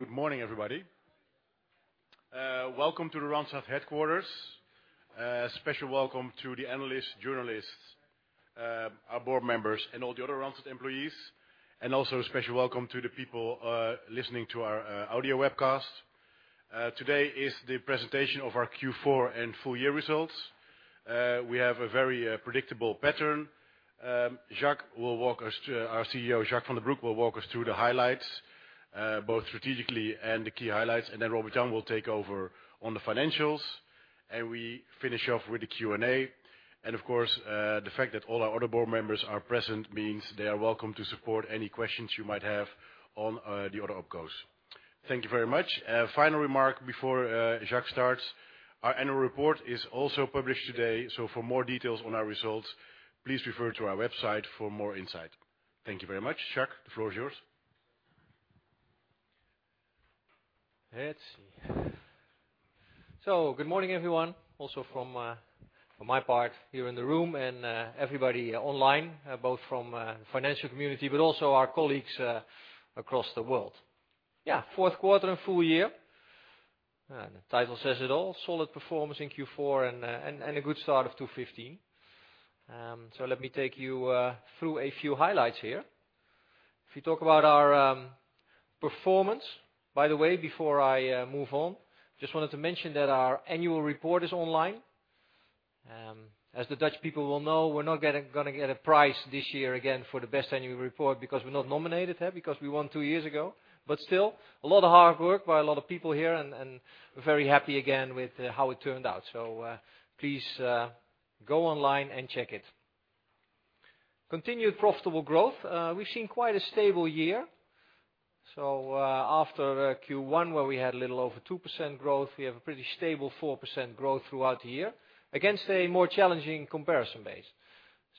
Good morning, everybody. Welcome to the Randstad Headquarters. A special welcome to the analysts, journalists, our board members, and all the other Randstad employees, and also a special welcome to the people listening to our audio webcast. Today is the presentation of our Q4 and full year results. We have a very predictable pattern. Our CEO, Jacques van den Broek, will walk us through the highlights, both strategically and the key highlights. Robert-Jan will take over on the financials, and we finish off with the Q&A. Of course, the fact that all our other board members are present means they are welcome to support any questions you might have on the other OPCOs. Thank you very much. A final remark before Jacques starts. Our annual report is also published today. For more details on our results, please refer to our website for more insight. Thank you very much. Jacques, the floor is yours. Let's see. Good morning, everyone. Also from my part here in the room and everybody online, both from financial community, but also our colleagues across the world. Fourth quarter and full year. The title says it all. Solid performance in Q4 and a good start of 2015. Let me take you through a few highlights here. If you talk about our performance, by the way, before I move on, just wanted to mention that our annual report is online. As the Dutch people will know, we're not going to get a prize this year again for the best annual report because we're not nominated because we won two years ago. Still, a lot of hard work by a lot of people here, and very happy again with how it turned out. Please go online and check it. Continued profitable growth. We've seen quite a stable year. After Q1, where we had a little over 2% growth, we have a pretty stable 4% growth throughout the year against a more challenging comparison base.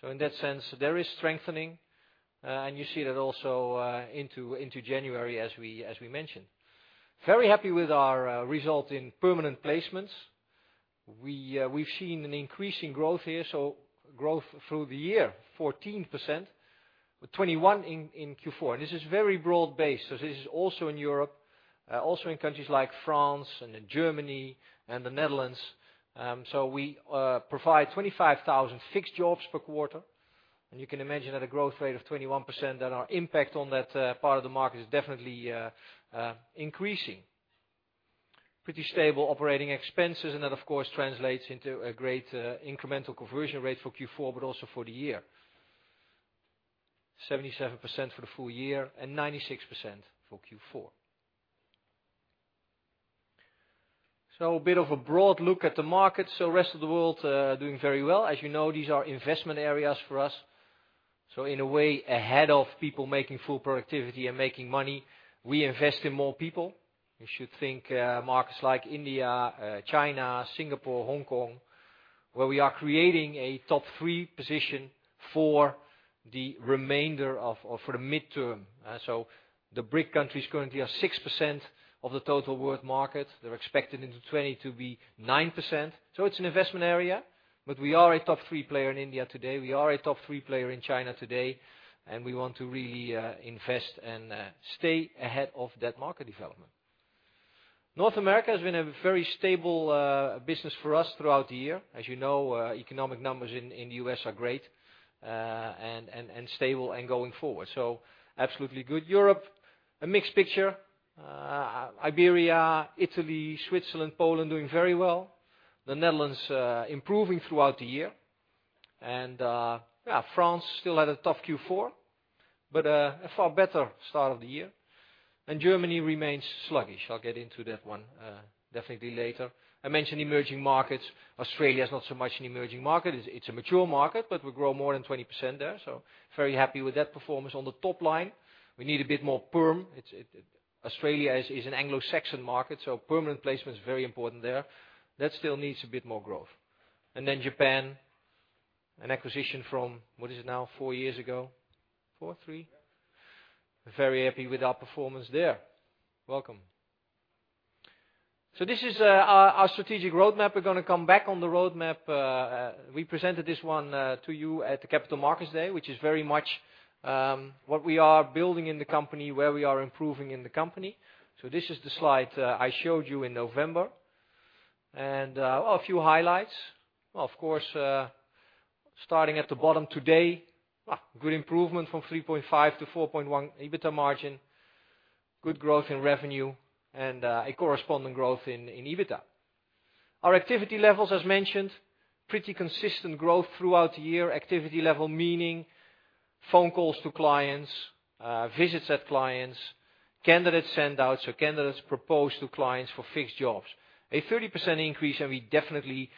In that sense, there is strengthening, and you see that also into January, as we mentioned. Very happy with our result in permanent placements. We've seen an increase in growth here. Growth through the year, 14%, with 21% in Q4. This is very broad-based. This is also in Europe, also in countries like France and in Germany and the Netherlands. We provide 25,000 fixed jobs per quarter. You can imagine at a growth rate of 21% that our impact on that part of the market is definitely increasing. Pretty stable operating expenses, and that, of course, translates into a great incremental conversion ratio for Q4, but also for the year. 77% for the full year and 96% for Q4. A bit of a broad look at the market. Rest of the world doing very well. As you know, these are investment areas for us. In a way, ahead of people making full productivity and making money, we invest in more people. You should think markets like India, China, Singapore, Hong Kong, where we are creating a top three position for the midterm. The BRIC countries currently are 6% of the total world market. They're expected in 2020 to be 9%. It's an investment area, but we are a top three player in India today. We are a top three player in China today, and we want to really invest and stay ahead of that market development. North America has been a very stable business for us throughout the year. As you know, economic numbers in the U.S. are great and stable and going forward. Absolutely good. Europe, a mixed picture. Iberia, Italy, Switzerland, Poland, doing very well. The Netherlands improving throughout the year. France still had a tough Q4, but a far better start of the year. Germany remains sluggish. I'll get into that one definitely later. I mentioned emerging markets. Australia is not so much an emerging market. It's a mature market, but we grow more than 20% there. Very happy with that performance on the top line. We need a bit more perm. Australia is an Anglo-Saxon market, so permanent placement is very important there. That still needs a bit more growth. Japan, an acquisition from, what is it now? Four years ago. Four? Three? Yeah. Very happy with our performance there. Welcome. This is our strategic roadmap. We're going to come back on the roadmap. We presented this one to you at the Capital Markets Day, which is very much what we are building in the company, where we are improving in the company. This is the slide I showed you in November. A few highlights. Of course, starting at the bottom today, good improvement from 3.5 to 4.1 EBITDA margin, good growth in revenue, and a corresponding growth in EBITDA. Our activity levels, as mentioned, pretty consistent growth throughout the year. Activity level, meaning phone calls to clients, visits at clients, candidates send out, candidates proposed to clients for fixed jobs. A 30% increase, and we definitely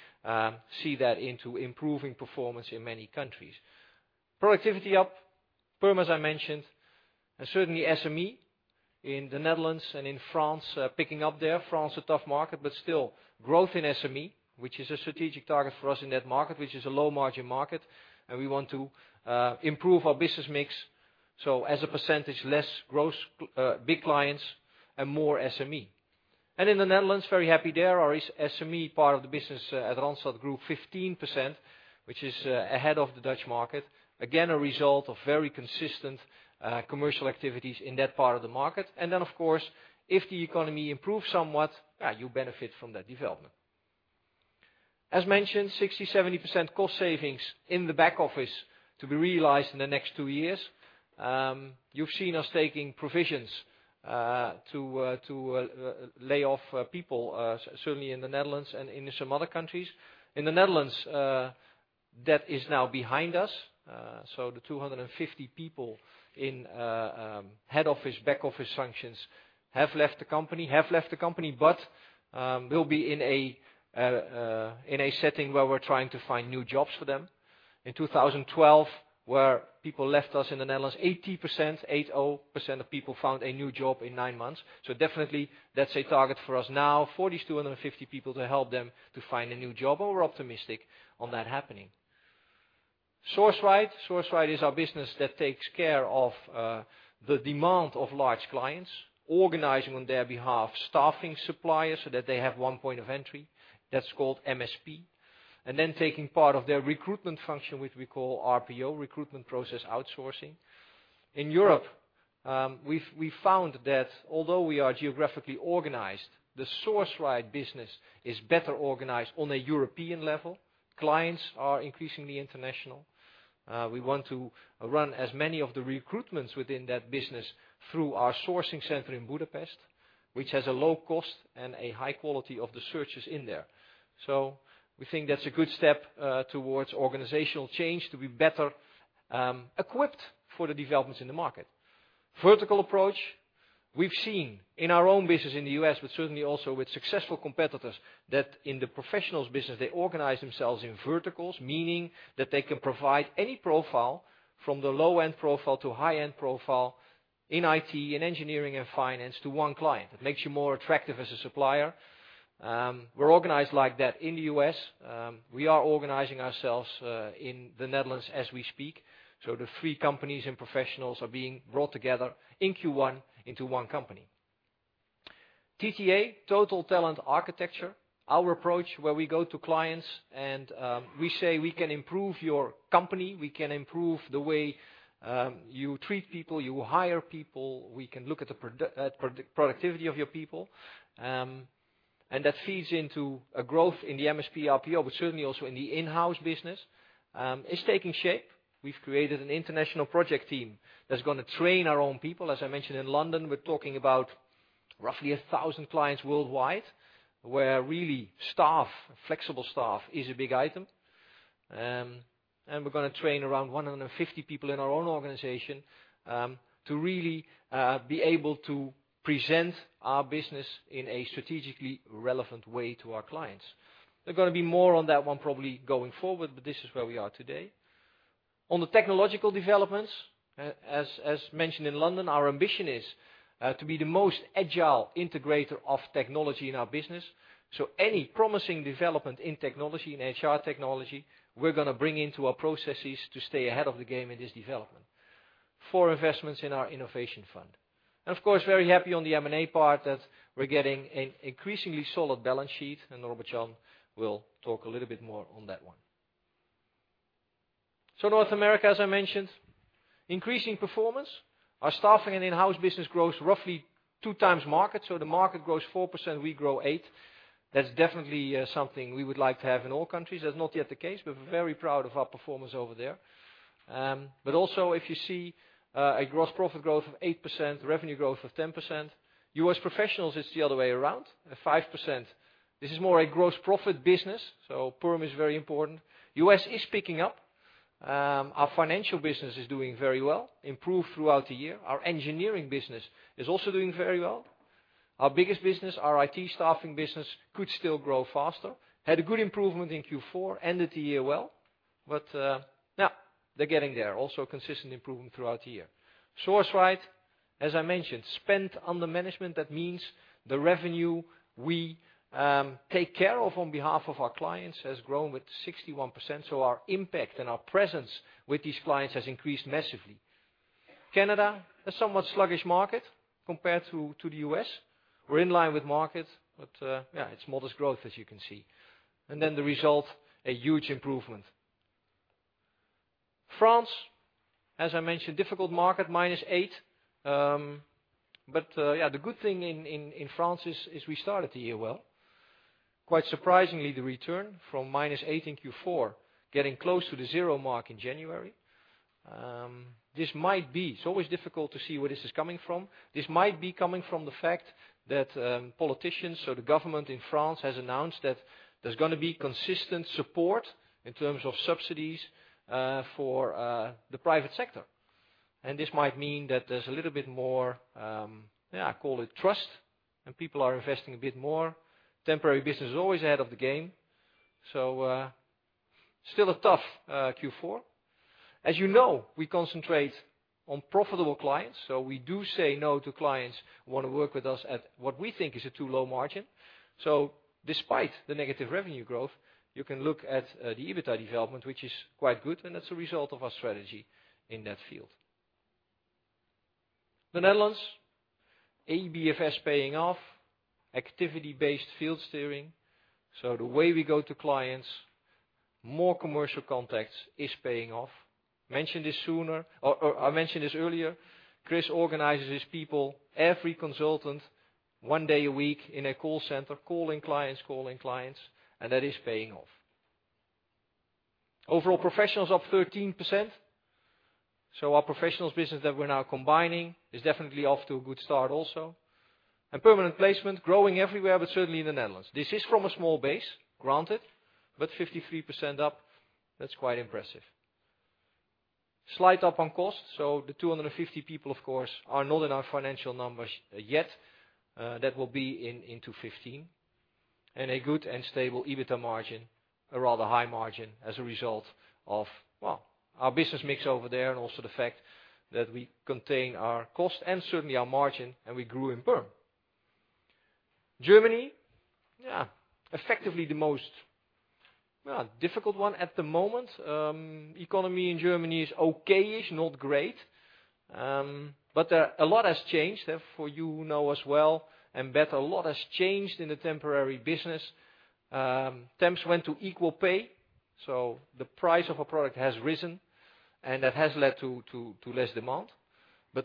see that into improving performance in many countries. Productivity up, perm, as I mentioned, and certainly SME in the Netherlands and in France, picking up there. France, a tough market, but still growth in SME, which is a strategic target for us in that market, which is a low margin market, and we want to improve our business mix. As a percentage, less big clients and more SME. In the Netherlands, very happy there. Our SME part of the business at Randstad grew 15%, which is ahead of the Dutch market. Again, a result of very consistent commercial activities in that part of the market. Of course, if the economy improves somewhat, you benefit from that development. As mentioned, 60%-70% cost savings in the back office to be realized in the next two years. You've seen us taking provisions to lay off people, certainly in the Netherlands and in some other countries. The 250 people in head office, back office functions have left the company, but we'll be in a setting where we're trying to find new jobs for them. In 2012, where people left us in the Netherlands, 80% of people found a new job in nine months. Definitely, that's a target for us now, 4,250 people to help them to find a new job, and we're optimistic on that happening. Sourceright. Sourceright is our business that takes care of the demand of large clients, organizing on their behalf staffing suppliers so that they have one point of entry. That's called MSP. Taking part of their recruitment function, which we call RPO, recruitment process outsourcing. In Europe, we found that although we are geographically organized, the Sourceright business is better organized on a European level. Clients are increasingly international. We want to run as many of the recruitments within that business through our sourcing center in Budapest, which has a low cost and a high quality of the searches in there. We think that's a good step towards organizational change to be better equipped for the developments in the market. Vertical approach. We've seen in our own business in the U.S., but certainly also with successful competitors, that in the professionals business, they organize themselves in verticals, meaning that they can provide any profile from the low-end profile to high-end profile in IT and engineering and finance to one client. It makes you more attractive as a supplier. We're organized like that in the U.S. We are organizing ourselves in the Netherlands as we speak. The three companies and professionals are being brought together in Q1 into one company. TTA, Total Talent Architecture, our approach where we go to clients and we say, "We can improve your company. We can improve the way you treat people, you hire people. We can look at the productivity of your people." That feeds into a growth in the MSP, RPO, but certainly also in the in-house business, is taking shape. We've created an international project team that's going to train our own people. As I mentioned in London, we're talking about roughly 1,000 clients worldwide, where really staff, flexible staff is a big item. We're going to train around 150 people in our own organization to really be able to present our business in a strategically relevant way to our clients. There are going to be more on that one probably going forward, but this is where we are today. On the technological developments, as mentioned in London, our ambition is to be the most agile integrator of technology in our business. Any promising development in technology, in HR technology, we're going to bring into our processes to stay ahead of the game in this development, for investments in our innovation fund. Of course, very happy on the M&A part that we're getting an increasingly solid balance sheet, and Robert-Jan will talk a little bit more on that one. North America, as I mentioned, increasing performance. Our staffing and in-house business grows roughly two times market. The market grows 4%, we grow eight. That's definitely something we would like to have in all countries. That's not yet the case. We're very proud of our performance over there. Also, if you see a gross profit growth of 8%, revenue growth of 10%. U.S. professionals, it's the other way around, at 5%. This is more a gross profit business, so perm is very important. U.S. is picking up. Our financial business is doing very well, improved throughout the year. Our engineering business is also doing very well. Our biggest business, our IT staffing business, could still grow faster. Had a good improvement in Q4, ended the year well. They're getting there, also consistent improvement throughout the year. Sourceright, as I mentioned, spent under management. That means the revenue we take care of on behalf of our clients has grown with 61%, so our impact and our presence with these clients has increased massively. Canada, a somewhat sluggish market compared to the U.S. We're in line with market, but it's modest growth as you can see. The result, a huge improvement. France, as I mentioned, difficult market, minus 8%. The good thing in France is, we started the year well. Quite surprisingly, the return from minus 8% in Q4, getting close to the zero mark in January. It's always difficult to see where this is coming from. This might be coming from the fact that politicians or the government in France has announced that there's going to be consistent support in terms of subsidies for the private sector. This might mean that there's a little bit more, I call it trust, and people are investing a bit more. Temporary business is always ahead of the game. Still a tough Q4. As you know, we concentrate on profitable clients, so we do say no to clients who want to work with us at what we think is a too low margin. Despite the negative revenue growth, you can look at the EBITDA development, which is quite good, and that's a result of our strategy in that field. The Netherlands, ABFS paying off, activity-based field steering. The way we go to clients, more commercial contacts is paying off. I mentioned this earlier, Chris organizes his people, every consultant, one day a week in a call center, calling clients, and that is paying off. Overall professionals up 13%. Our professionals business that we're now combining is definitely off to a good start also. Permanent placement growing everywhere, but certainly in the Netherlands. This is from a small base, granted, but 53% up, that's quite impressive. Slight up on cost, so the 250 people, of course, are not in our financial numbers yet. That will be in 2015. A good and stable EBITDA margin, a rather high margin as a result of, well, our business mix over there and also the fact that we contain our cost and certainly our margin, and we grew in perm. Germany. Effectively the most, well, difficult one at the moment. Economy in Germany is okay-ish, not great. A lot has changed for you who know us well, and that a lot has changed in the temporary business. Temps went to equal pay, so the price of a product has risen, and that has led to less demand.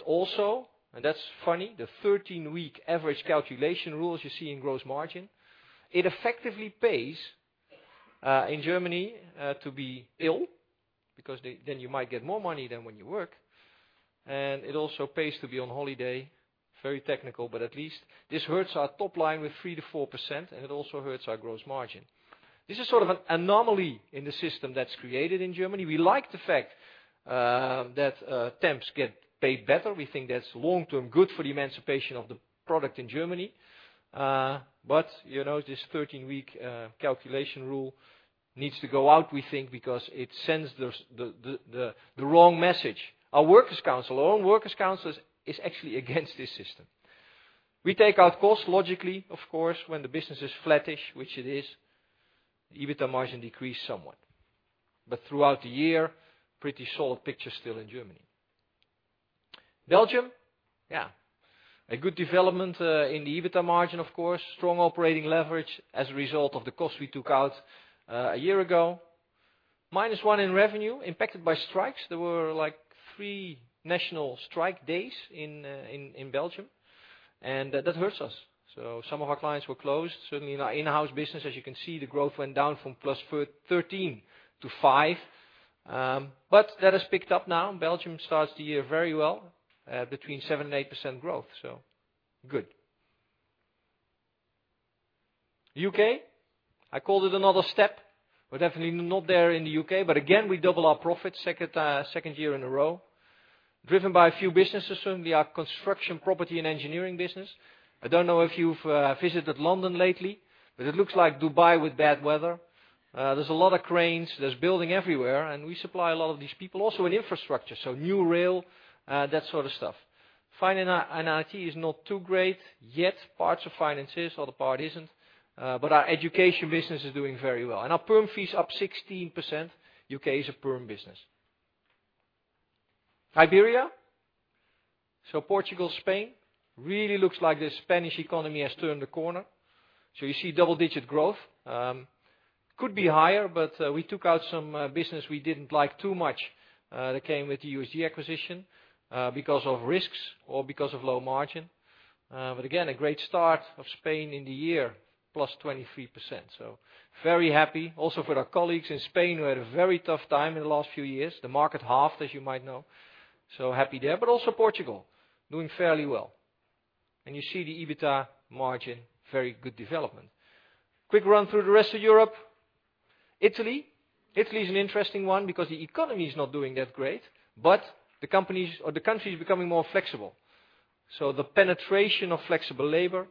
Also, and that's funny, the 13-week average calculation rules you see in gross margin, it effectively pays, in Germany, to be ill because then you might get more money than when you work. It also pays to be on holiday. At least this hurts our top line with 3%-4%, and it also hurts our gross margin. This is sort of an anomaly in the system that's created in Germany. We like the fact that temps get paid better. We think that's long-term good for the emancipation of the product in Germany. This 13-week calculation rule needs to go out, we think, because it sends the wrong message. Our workers' council, our own workers' council is actually against this system. We take out costs logically, of course, when the business is flattish, which it is, the EBITDA margin decreased somewhat. Throughout the year, pretty solid picture still in Germany. Belgium. A good development in the EBITDA margin, of course. Strong operating leverage as a result of the costs we took out a year ago. -1% in revenue impacted by strikes. There were three national strike days in Belgium, and that hurts us. Some of our clients were closed. Certainly in our in-house business, as you can see, the growth went down from +13% to 5%. That has picked up now. Belgium starts the year very well, between 7% and 8% growth, so good. U.K., I called it another step. We're definitely not there in the U.K., but again, we double our profits second year in a row, driven by a few businesses, certainly our construction property and engineering business. I don't know if you've visited London lately, but it looks like Dubai with bad weather. There's a lot of cranes. There's building everywhere, and we supply a lot of these people also in infrastructure, so new rail, that sort of stuff. Finance and IT is not too great yet. Parts of finance is, other part isn't. Our education business is doing very well. Our perm fees up 16%. U.K. is a perm business. Iberia. Portugal, Spain. Really looks like the Spanish economy has turned a corner. You see double-digit growth. Could be higher, but we took out some business we didn't like too much that came with the USG People acquisition because of risks or because of low margin. Again, a great start of Spain in the year, +23%. Very happy also for our colleagues in Spain who had a very tough time in the last few years. The market halved, as you might know. Happy there. Also Portugal, doing fairly well. You see the EBITDA margin, very good development. Quick run through the rest of Europe. Italy. Italy is an interesting one because the economy is not doing that great, but the country is becoming more flexible. The penetration of flexible labor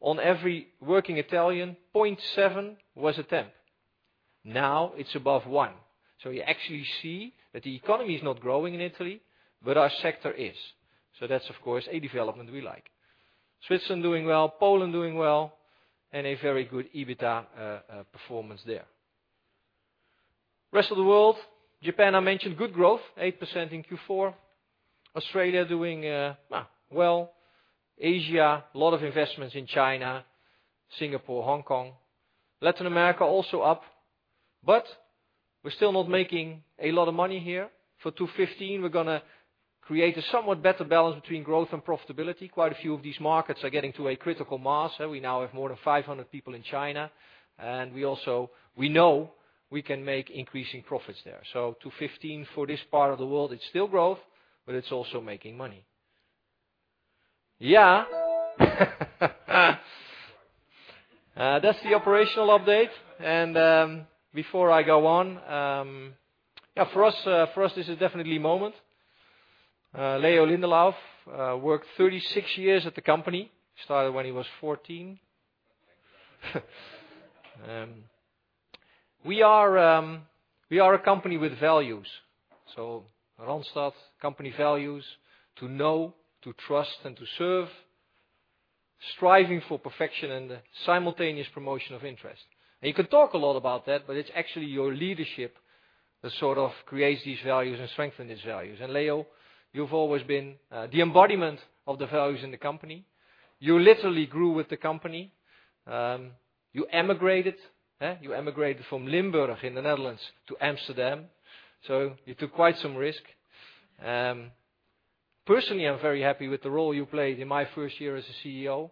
on every working Italian, 0.7 was a temp. Now it's above one. You actually see that the economy is not growing in Italy, but our sector is. That's, of course, a development we like. Switzerland doing well, Poland doing well, and a very good EBITDA performance there. Rest of the world. Japan, I mentioned, good growth, 8% in Q4. Australia doing well. Asia, lot of investments in China, Singapore, Hong Kong. Latin America also up, but we're still not making a lot of money here. For 2015, we're going to create a somewhat better balance between growth and profitability. Quite a few of these markets are getting to a critical mass. We now have more than 500 people in China. We know we can make increasing profits there. 2015 for this part of the world, it's still growth, but it's also making money. That's the operational update. Before I go on. For us, this is definitely a moment. Leo Lindelauf worked 36 years at the company. He started when he was 14. We are a company with values. Randstad company values to know, to trust, and to serve. Striving for perfection and simultaneous promotion of interest. You can talk a lot about that, but it's actually your leadership that sort of creates these values and strengthen these values. Leo, you've always been the embodiment of the values in the company. You literally grew with the company. You emigrated from Limburg in the Netherlands to Amsterdam. You took quite some risk. Personally, I'm very happy with the role you played in my first year as a CEO.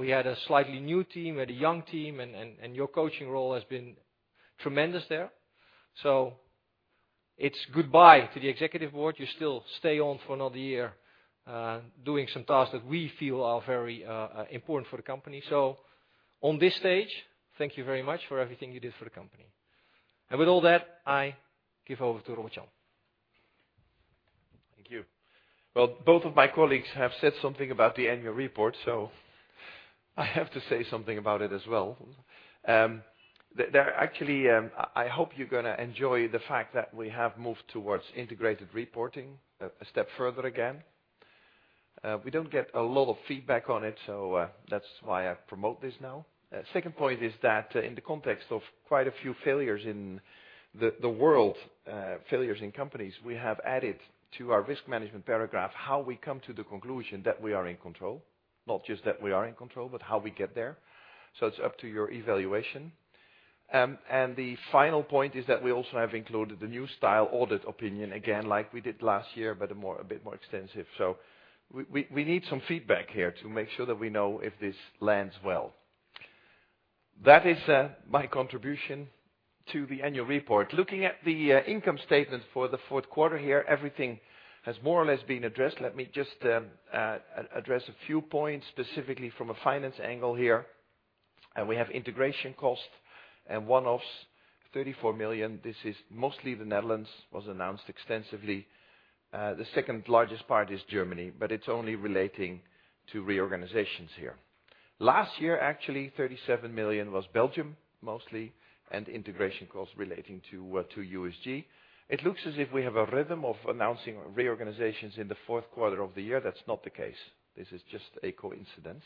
We had a slightly new team, we had a young team. Your coaching role has been tremendous there. It's goodbye to the executive board. You still stay on for another year, doing some tasks that we feel are very important for the company. On this stage, thank you very much for everything you did for the company. With all that, I give over to Robert-Jan. Thank you. Well, both of my colleagues have said something about the annual report. I have to say something about it as well. Actually, I hope you're going to enjoy the fact that we have moved towards integrated reporting a step further again. We don't get a lot of feedback on it. That's why I promote this now. Second point is that in the context of quite a few failures in the world, failures in companies, we have added to our risk management paragraph how we come to the conclusion that we are in control. Not just that we are in control, but how we get there. It's up to your evaluation. The final point is that we also have included the new style audit opinion again, like we did last year, but a bit more extensive. We need some feedback here to make sure that we know if this lands well. That is my contribution to the annual report. Looking at the income statement for the fourth quarter here, everything has more or less been addressed. Let me just address a few points, specifically from a finance angle here. We have integration costs and one-offs, 34 million. This is mostly the Netherlands, was announced extensively. The second largest part is Germany, but it's only relating to reorganizations here. Last year, actually, 37 million was Belgium mostly, and integration costs relating to USG. It looks as if we have a rhythm of announcing reorganizations in the fourth quarter of the year. That's not the case. This is just a coincidence.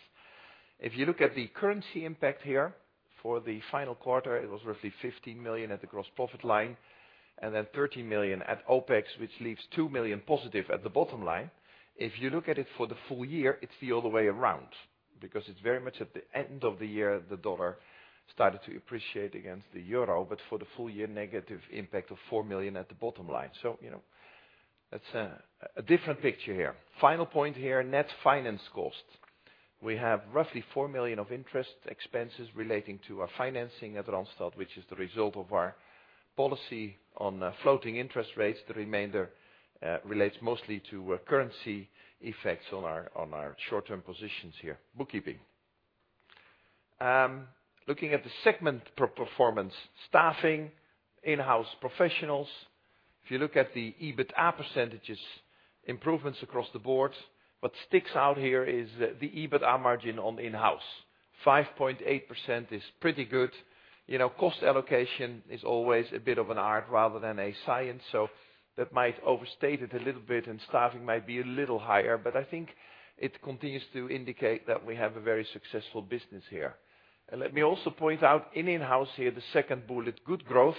If you look at the currency impact here for the final quarter, it was roughly 15 million at the gross profit line, then 13 million at OPEX, which leaves 2 million positive at the bottom line. If you look at it for the full year, it's the other way around because it's very much at the end of the year, the dollar started to appreciate against the euro, but for the full year negative impact of 4 million at the bottom line. That's a different picture here. Final point here, net finance cost. We have roughly 4 million of interest expenses relating to our financing at Randstad, which is the result of our policy on floating interest rates. The remainder relates mostly to currency effects on our short-term positions here. Bookkeeping. Looking at the segment performance. Staffing, in-house professionals. If you look at the EBITDA percentages, improvements across the board, what sticks out here is the EBITDA margin on in-house, 5.8% is pretty good. Cost allocation is always a bit of an art rather than a science, so that might overstate it a little bit, and staffing might be a little higher, but I think it continues to indicate that we have a very successful business here. Let me also point out in in-house here, the second bullet, good growth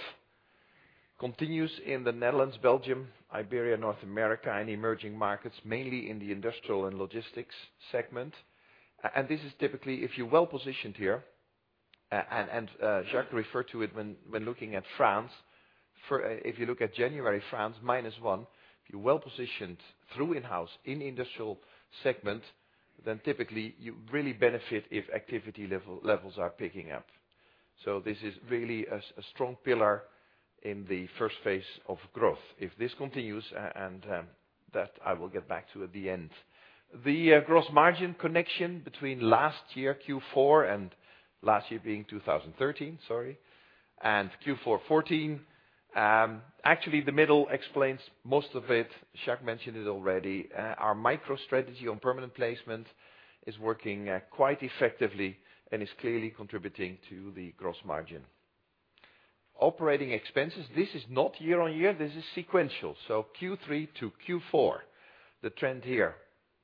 continues in the Netherlands, Belgium, Iberia, North America, and emerging markets, mainly in the industrial and logistics segment. This is typically if you're well-positioned here, and Jacques referred to it when looking at France. If you look at January, France, -1%, if you're well-positioned through in-house in industrial segment, then typically you really benefit if activity levels are picking up. This is really a strong pillar in the phase 1 of growth. If this continues, that I will get back to at the end. The gross margin connection between last year Q4 and last year being 2013, sorry, and Q4 2014. Actually, the middle explains most of it. Jacques mentioned it already. Our micro-strategy on permanent placement is working quite effectively and is clearly contributing to the gross margin. Operating expenses. This is not year-over-year. This is sequential. Q3 to Q4. The trend here,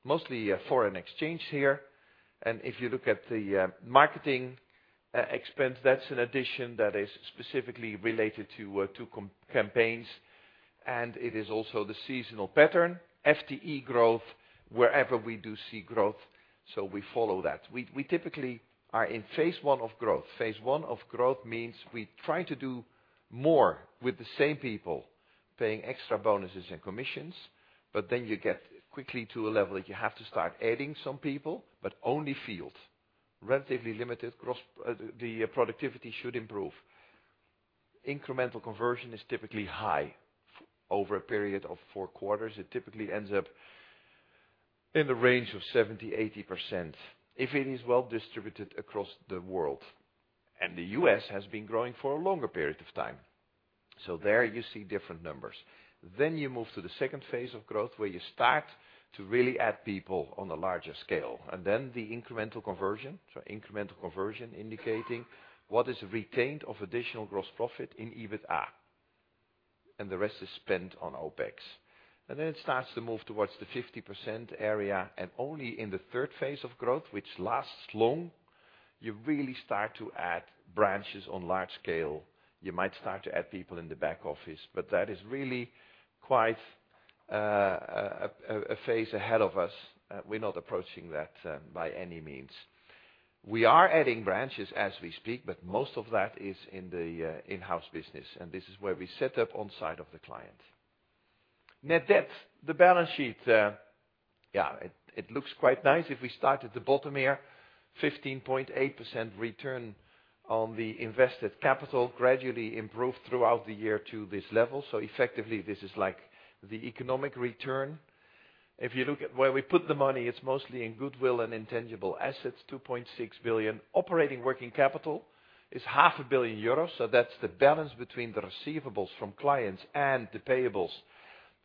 mostly foreign exchange here. If you look at the marketing expense, that's an addition that is specifically related to campaigns, and it is also the seasonal pattern. FTE growth, wherever we do see growth, we follow that. We typically are in phase 1 of growth. Phase 1 of growth means we try to do more with the same people, paying extra bonuses and commissions. Then you get quickly to a level that you have to start adding some people, but only field. Relatively limited gross, the productivity should improve. Incremental conversion is typically high over a period of 4 quarters. It typically ends up in the range of 70%-80%, if it is well distributed across the world. The U.S. has been growing for a longer period of time. There you see different numbers. Then you move to the phase 2 of growth, where you start to really add people on a larger scale. Then the incremental conversion, incremental conversion indicating what is retained of additional gross profit in EBITDA. The rest is spent on OPEX. It starts to move towards the 50% area, only in the phase 3 of growth, which lasts long, you really start to add branches on large scale. You might start to add people in the back office, that is really quite a phase ahead of us. We're not approaching that by any means. We are adding branches as we speak, but most of that is in the in-house business, and this is where we set up on site of the client. Net debt, the balance sheet. It looks quite nice. If we start at the bottom here, 15.8% return on the invested capital gradually improved throughout the year to this level. Effectively, this is like the economic return. If you look at where we put the money, it's mostly in goodwill and intangible assets, 2.6 billion. Operating working capital is half a billion EUR, that's the balance between the receivables from clients and the payables,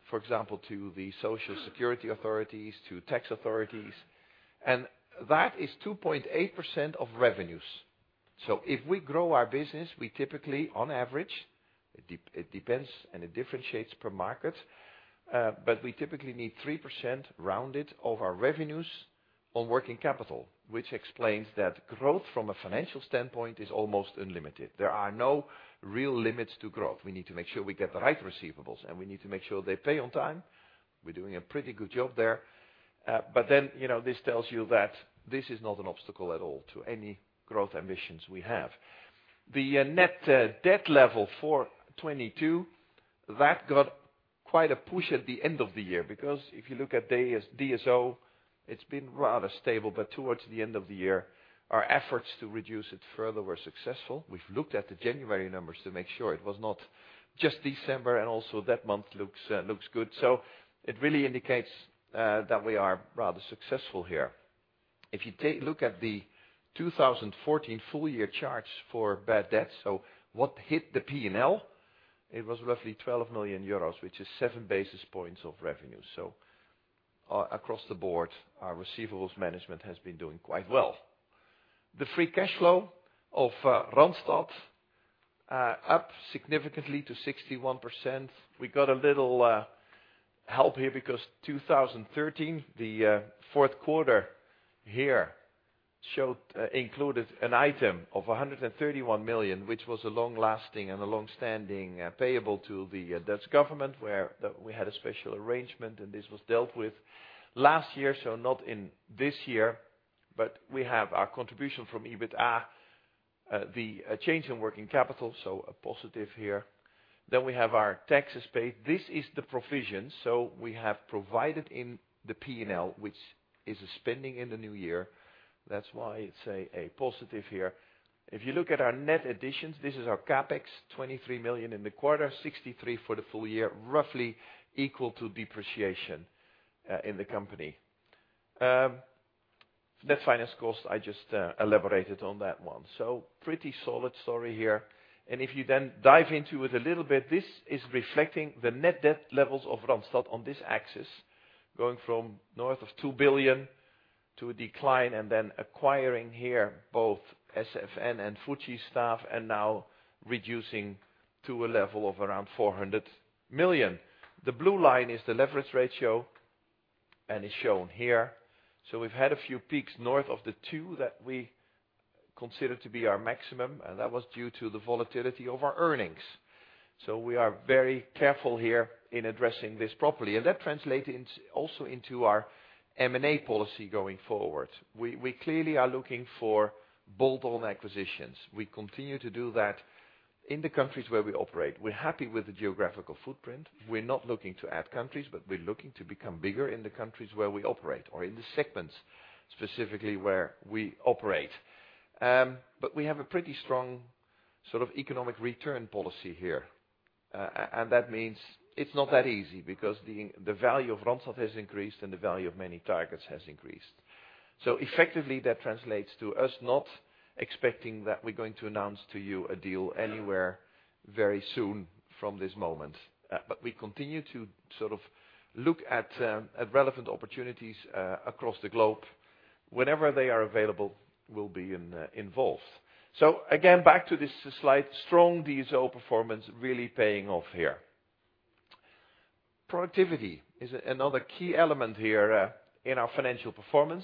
for example, to the Social Security authorities, to tax authorities. That is 2.8% of revenues. If we grow our business, we typically, on average, it depends and it differentiates per market, but we typically need 3% rounded of our revenues on working capital, which explains that growth from a financial standpoint is almost unlimited. There are no real limits to growth. We need to make sure we get the right receivables, and we need to make sure they pay on time. We're doing a pretty good job there. This tells you that this is not an obstacle at all to any growth ambitions we have. The net debt level for 2022, that got quite a push at the end of the year, because if you look at DSO, it's been rather stable. Towards the end of the year, our efforts to reduce it further were successful. We've looked at the January numbers to make sure it was not just December, and also that month looks good. It really indicates that we are rather successful here. If you look at the 2014 full year charts for bad debt, what hit the P&L, it was roughly 12 million euros, which is seven basis points of revenue. Across the board, our receivables management has been doing quite well. The free cash flow of Randstad, up significantly to 61%. We got a little help here because 2013, the fourth quarter here included an item of 131 million, which was a long lasting and a longstanding payable to the Dutch government, where we had a special arrangement, this was dealt with last year, not in this year. We have our contribution from EBITDA, the change in working capital, a positive here. We have our taxes paid. This is the provision. We have provided in the P&L, which is spending in the new year. That's why it's a positive here. If you look at our net additions, this is our CapEx, 23 million in the quarter, 63 million for the full year, roughly equal to depreciation in the company. Net finance cost, I just elaborated on that one. Pretty solid story here. If you then dive into it a little bit, this is reflecting the net debt levels of Randstad on this axis, going from north of 2 billion to a decline, then acquiring here both SFN and Fujitsu staff, and now reducing to a level of around 400 million. The blue line is the leverage ratio, and it is shown here. We've had a few peaks north of the 2 that we consider to be our maximum, and that was due to the volatility of our earnings. We are very careful here in addressing this properly, and that translates also into our M&A policy going forward. We clearly are looking for bolt-on acquisitions. We continue to do that in the countries where we operate. We are happy with the geographical footprint. We are not looking to add countries, but we are looking to become bigger in the countries where we operate or in the segments specifically where we operate. We have a pretty strong sort of economic return policy here. That means it is not that easy because the value of Randstad has increased and the value of many targets has increased. Effectively, that translates to us not expecting that we are going to announce to you a deal anywhere very soon from this moment. We continue to sort of look at relevant opportunities across the globe. Whenever they are available, we will be involved. Again, back to this slide. Strong DSO performance really paying off here. Productivity is another key element here in our financial performance.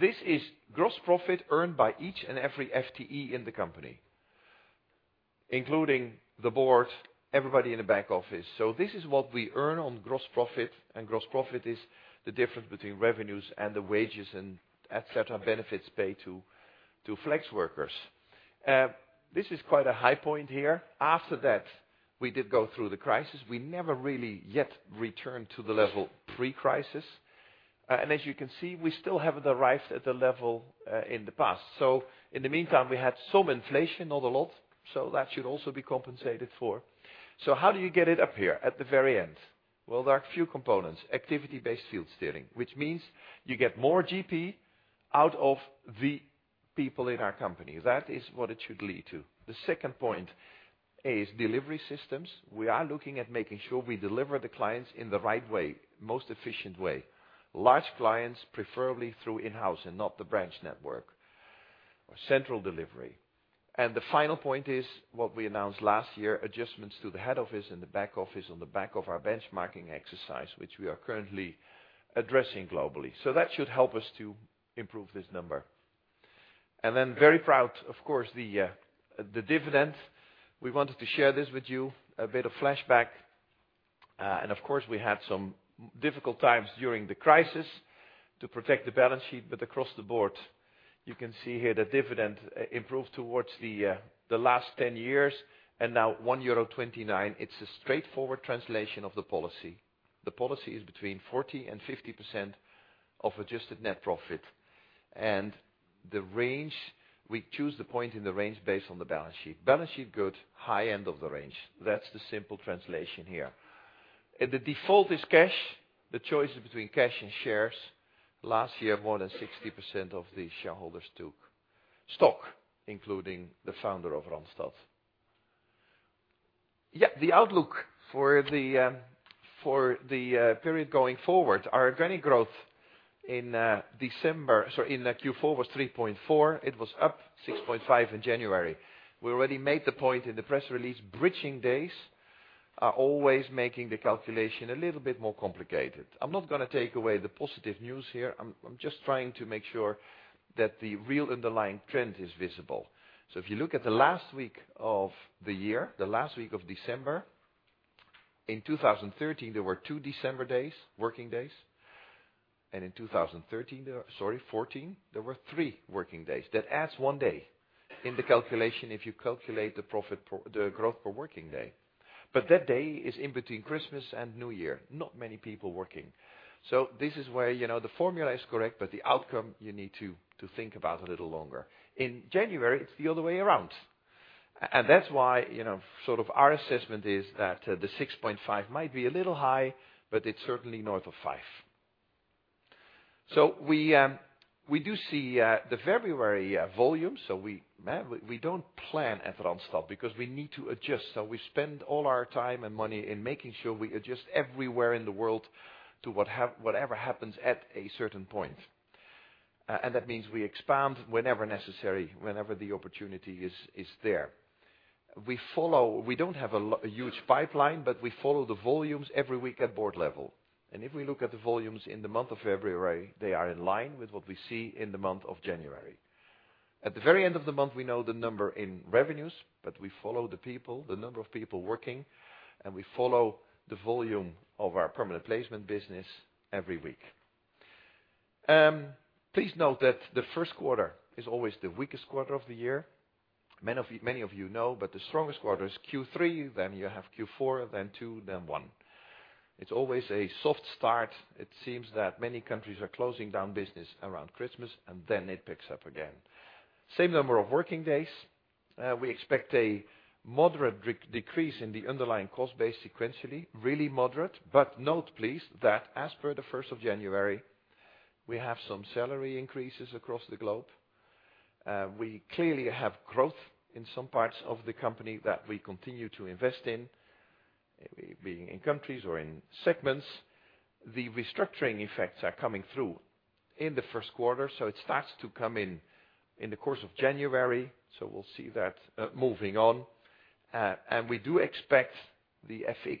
This is gross profit earned by each and every FTE in the company, including the board, everybody in the back office. This is what we earn on gross profit, and gross profit is the difference between revenues and the wages and et cetera, benefits paid to flex workers. This is quite a high point here. After that, we did go through the crisis. We never really yet returned to the level pre-crisis. As you can see, we still haven't arrived at the level in the past. In the meantime, we had some inflation, not a lot. That should also be compensated for. How do you get it up here at the very end? There are a few components. Activity-based field steering, which means you get more GP out of the people in our company. That is what it should lead to. The second point is delivery systems. We are looking at making sure we deliver the clients in the right way, most efficient way. Large clients, preferably through in-house and not the branch network, or central delivery. The final point is what we announced last year, adjustments to the head office and the back office on the back of our benchmarking exercise, which we are currently addressing globally. That should help us to improve this number. Then very proud, of course, the dividend. We wanted to share this with you, a bit of flashback. Of course, we had some difficult times during the crisis to protect the balance sheet, but across the board, you can see here the dividend improved towards the last 10 years and now 1.29 euro. It is a straightforward translation of the policy. The policy is between 40%-50% of adjusted net profit. The range, we choose the point in the range based on the balance sheet. Balance sheet good, high end of the range. That's the simple translation here. The default is cash. The choice is between cash and shares. Last year, more than 60% of the shareholders took stock, including the founder of Randstad. The outlook for the period going forward. Our organic growth in Q4 was 3.4. It was up 6.5 in January. We already made the point in the press release, bridging days are always making the calculation a little bit more complicated. I'm not going to take away the positive news here. I'm just trying to make sure that the real underlying trend is visible. If you look at the last week of the year, the last week of December, in 2013, there were two December working days, and in 2014, there were three working days. That adds one day in the calculation if you calculate the growth per working day. That day is in between Christmas and New Year, not many people working. This is where the formula is correct, but the outcome you need to think about a little longer. In January, it's the other way around. That's why our assessment is that the 6.5 might be a little high, but it's certainly north of five. We do see the February volume. We don't plan at Randstad because we need to adjust. We spend all our time and money in making sure we adjust everywhere in the world to whatever happens at a certain point. That means we expand whenever necessary, whenever the opportunity is there. We don't have a huge pipeline, but we follow the volumes every week at board level. If we look at the volumes in the month of February, they are in line with what we see in the month of January. At the very end of the month, we know the number in revenues, but we follow the people, the number of people working, and we follow the volume of our permanent placement business every week. Please note that the first quarter is always the weakest quarter of the year. Many of you know, but the strongest quarter is Q3, then you have Q4, then two, then one. It's always a soft start. It seems that many countries are closing down business around Christmas, it picks up again. Same number of working days. We expect a moderate decrease in the underlying cost base sequentially, really moderate. Note, please, that as per the 1st of January, we have some salary increases across the globe. We clearly have growth in some parts of the company that we continue to invest in, be it in countries or in segments. The restructuring effects are coming through in the first quarter, it starts to come in the course of January. We'll see that moving on. We do expect the FX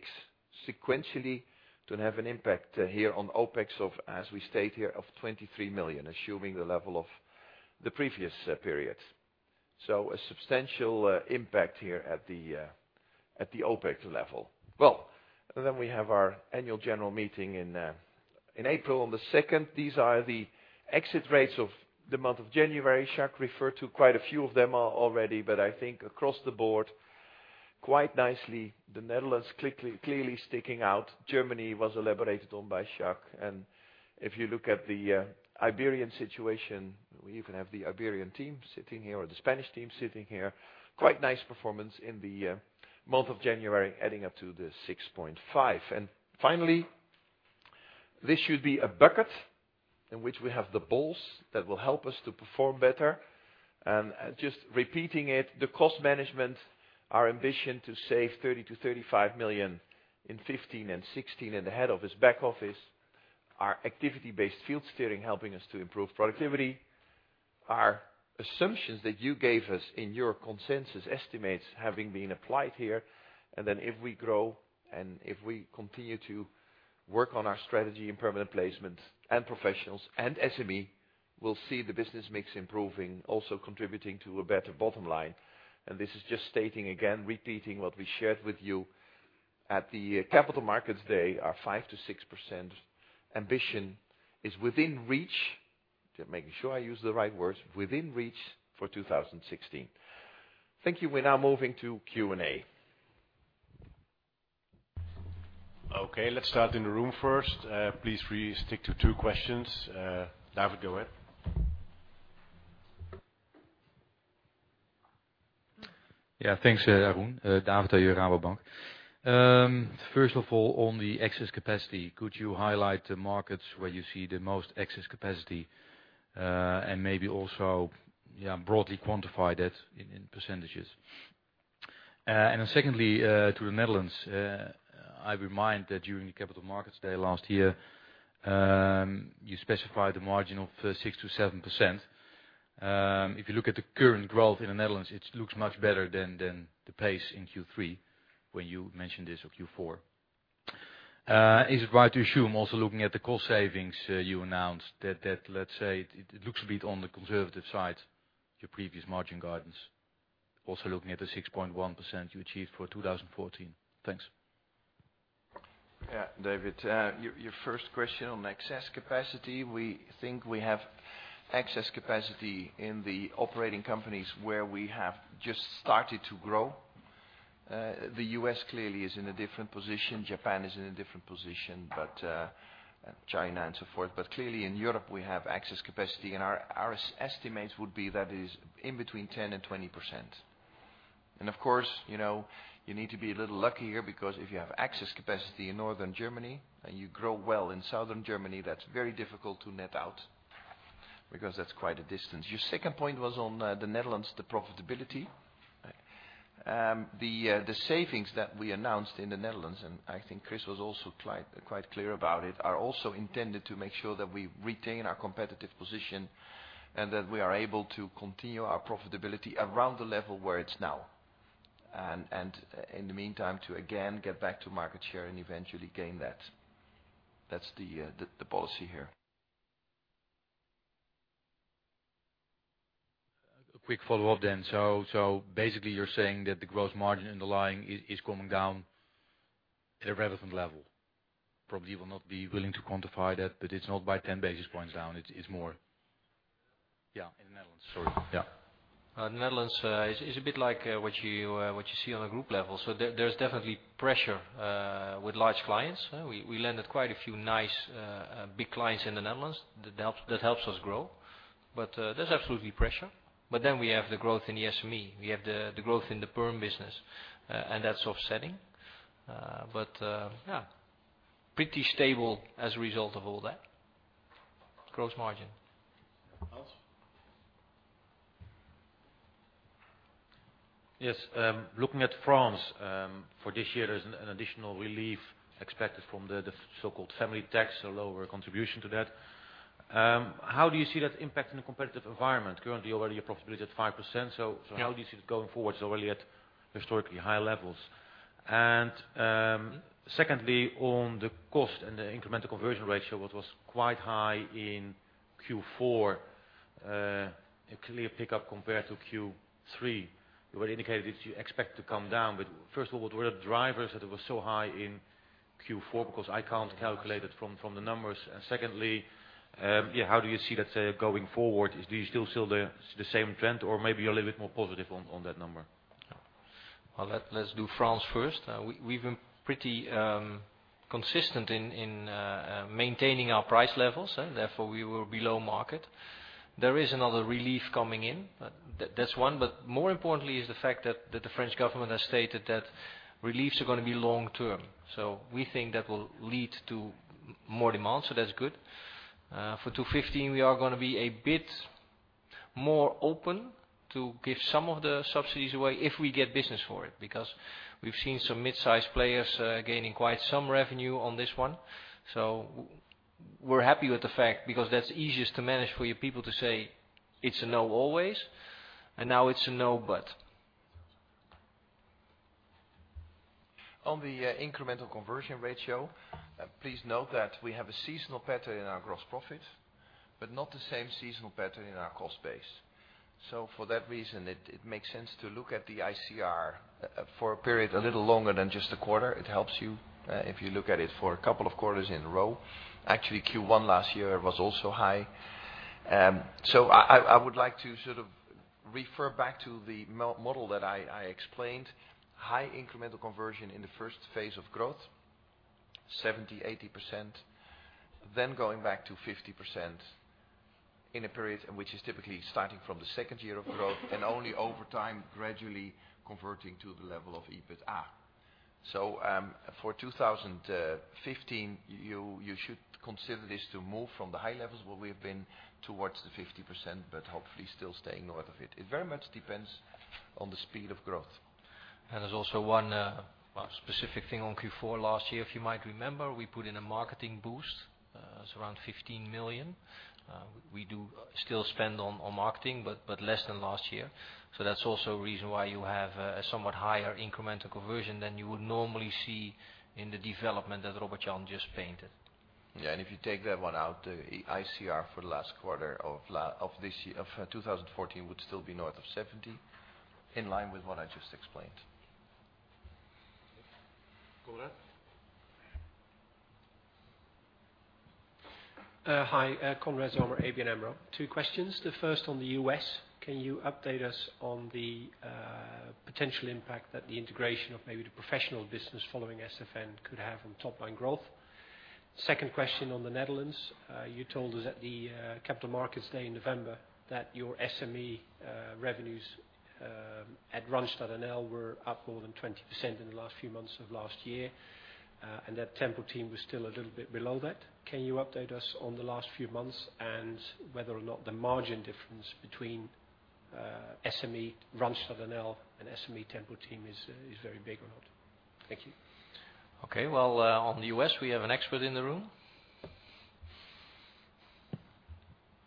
sequentially to have an impact here on OPEX of, as we state here, of 23 million, assuming the level of the previous periods. A substantial impact here at the OPEX level. We have our annual general meeting in April on the 2nd. These are the exit rates of the month of January. Jacques referred to quite a few of them already, I think across the board, quite nicely, the Netherlands clearly sticking out. Germany was elaborated on by Jacques. If you look at the Iberian situation, we even have the Iberian team sitting here or the Spanish team sitting here. Quite nice performance in the month of January, adding up to the 6.5. Finally, this should be a bucket in which we have the balls that will help us to perform better. Just repeating it, the cost management, our ambition to save 30 million-35 million in 2015 and 2016 in the head office, back office. Our activity-based field steering helping us to improve productivity. Our assumptions that you gave us in your consensus estimates having been applied here, then if we grow and if we continue to work on our strategy in permanent placement and professionals and SME, we'll see the business mix improving, also contributing to a better bottom line. This is just stating again, repeating what we shared with you at the Capital Markets Day, our 5%-6% ambition is within reach, just making sure I use the right words, within reach for 2016. Thank you. We're now moving to Q&A. Okay, let's start in the room first. Please really stick to two questions. David, go ahead. Thanks, Arun. David Rabobank. First of all, on the excess capacity, could you highlight the markets where you see the most excess capacity? Maybe also broadly quantify that in percentages. Then secondly, to the Netherlands. I remind that during the Capital Markets Day last year, you specified the margin of 6%-7%. If you look at the current growth in the Netherlands, it looks much better than the pace in Q3 when you mentioned this for Q4. Is it right to assume also looking at the cost savings you announced that, let's say, it looks a bit on the conservative side, your previous margin guidance? Also looking at the 6.1% you achieved for 2014. Thanks. David. Your first question on excess capacity. We think we have excess capacity in the operating companies where we have just started to grow. The U.S. clearly is in a different position. Japan is in a different position. China and so forth. Clearly in Europe, we have excess capacity, and our estimates would be that is in between 10%-20%. Of course, you need to be a little luckier because if you have excess capacity in Northern Germany and you grow well in Southern Germany, that's very difficult to net out because that's quite a distance. Your second point was on the Netherlands, the profitability. Right. The savings that we announced in the Netherlands, I think Chris was also quite clear about it, are also intended to make sure that we retain our competitive position and that we are able to continue our profitability around the level where it's now. In the meantime, to again, get back to market share and eventually gain that. That's the policy here. A quick follow-up then. Basically, you're saying that the gross margin underlying is going down at a relevant level. Probably you will not be willing to quantify that, but it's not by 10 basis points down. In the Netherlands. The Netherlands is a bit like what you see on a group level. There's definitely pressure with large clients. We landed quite a few nice, big clients in the Netherlands. That helps us grow. There's absolutely pressure. We have the growth in the SME. We have the growth in the PERM business. That's offsetting. Pretty stable as a result of all that. Gross margin. Hans. Yes. Looking at France, for this year, there's an additional relief expected from the so-called family tax, so lower contribution to that. How do you see that impacting the competitive environment? Currently, already your profitability at 5%. How do you see it going forward? It's already at historically high levels. Secondly, on the cost and the incremental conversion ratio, which was quite high in Q4. A clear pickup compared to Q3. You already indicated that you expect to come down. First of all, what are the drivers that it was so high in Q4? Because I can't calculate it from the numbers. Secondly, how do you see that going forward? Do you still see the same trend or maybe you're a little bit more positive on that number? Let's do France first. We've been pretty consistent in maintaining our price levels. Therefore, we were below market. There is another relief coming in. That's one, but more importantly is the fact that the French government has stated that reliefs are going to be long-term. We think that will lead to more demand, so that's good. For 2015, we are going to be a bit more open to give some of the subsidies away if we get business for it because we've seen some mid-size players gaining quite some revenue on this one. We're happy with the fact because that's easiest to manage for your people to say it's a no always. Now it's a no, but. On the incremental conversion ratio. Please note that we have a seasonal pattern in our gross profit, but not the same seasonal pattern in our cost base. For that reason, it makes sense to look at the ICR for a period a little longer than just a quarter. It helps you if you look at it for a couple of quarters in a row. Actually, Q1 last year was also high. I would like to sort of refer back to the model that I explained. High incremental conversion in the first phase of growth, 70%, 80%. Going back to 50% in a period which is typically starting from the second year of growth and only over time gradually converting to the level of EBITA. For 2015, you should consider this to move from the high levels where we've been towards the 50%, but hopefully still staying north of it. It very much depends on the speed of growth. There's also one specific thing on Q4 last year. If you might remember, we put in a marketing boost. It's around EUR 15 million. That's also a reason why you have a somewhat higher incremental conversion than you would normally see in the development that Robert Jan just painted. Yeah. If you take that one out, the ICR for the last quarter of 2014 would still be north of 70, in line with what I just explained. Konrad. Hi. Konrad Zomer, ABN AMRO. Two questions. The first on the U.S. Can you update us on the potential impact that the integration of maybe the professional business following SFN could have on top-line growth? Second question on the Netherlands. You told us at the Capital Markets Day in November that your SME revenues at Randstad and Yacht were up more than 20% in the last few months of last year. That Tempo-Team was still a little bit below that. Can you update us on the last few months and whether or not the margin difference between SME Randstad and Yacht and SME Tempo-Team is very big or not? Thank you. Okay. Well, on the U.S., we have an expert in the room.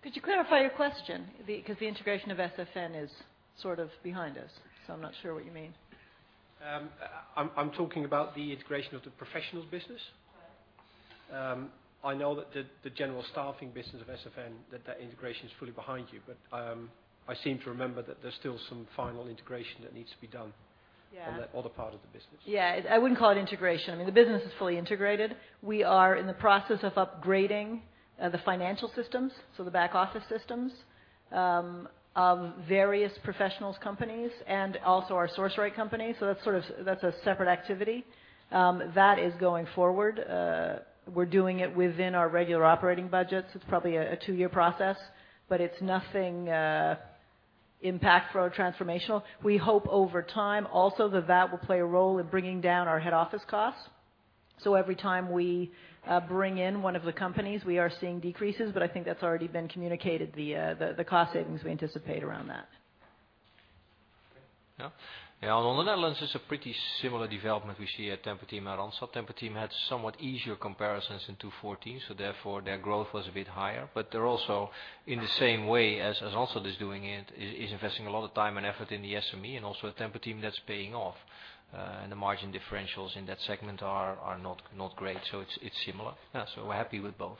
Could you clarify your question? The integration of SFN is sort of behind us, so I'm not sure what you mean. I'm talking about the integration of the professionals business. Right. I know that the general staffing business of SFN, that integration is fully behind you, but I seem to remember that there's still some final integration that needs to be done. Yeah On that other part of the business. I wouldn't call it integration. The business is fully integrated. We are in the process of upgrading the financial systems, the back office systems, of various professionals companies and also our Randstad Sourceright company. That's a separate activity. That is going forward. We're doing it within our regular operating budgets. It's probably a two-year process, but it's nothing impactful or transformational. We hope over time also that will play a role in bringing down our head office costs. Every time we bring in one of the companies, we are seeing decreases, but I think that's already been communicated, the cost savings we anticipate around that. Okay. On the Netherlands, it's a pretty similar development we see at Tempo-Team and Randstad. Tempo-Team had somewhat easier comparisons in 2014, therefore their growth was a bit higher. They're also, in the same way as Randstad is doing it, is investing a lot of time and effort in the SME and also at Tempo-Team that's paying off. The margin differentials in that segment are not great. It's similar. We're happy with both.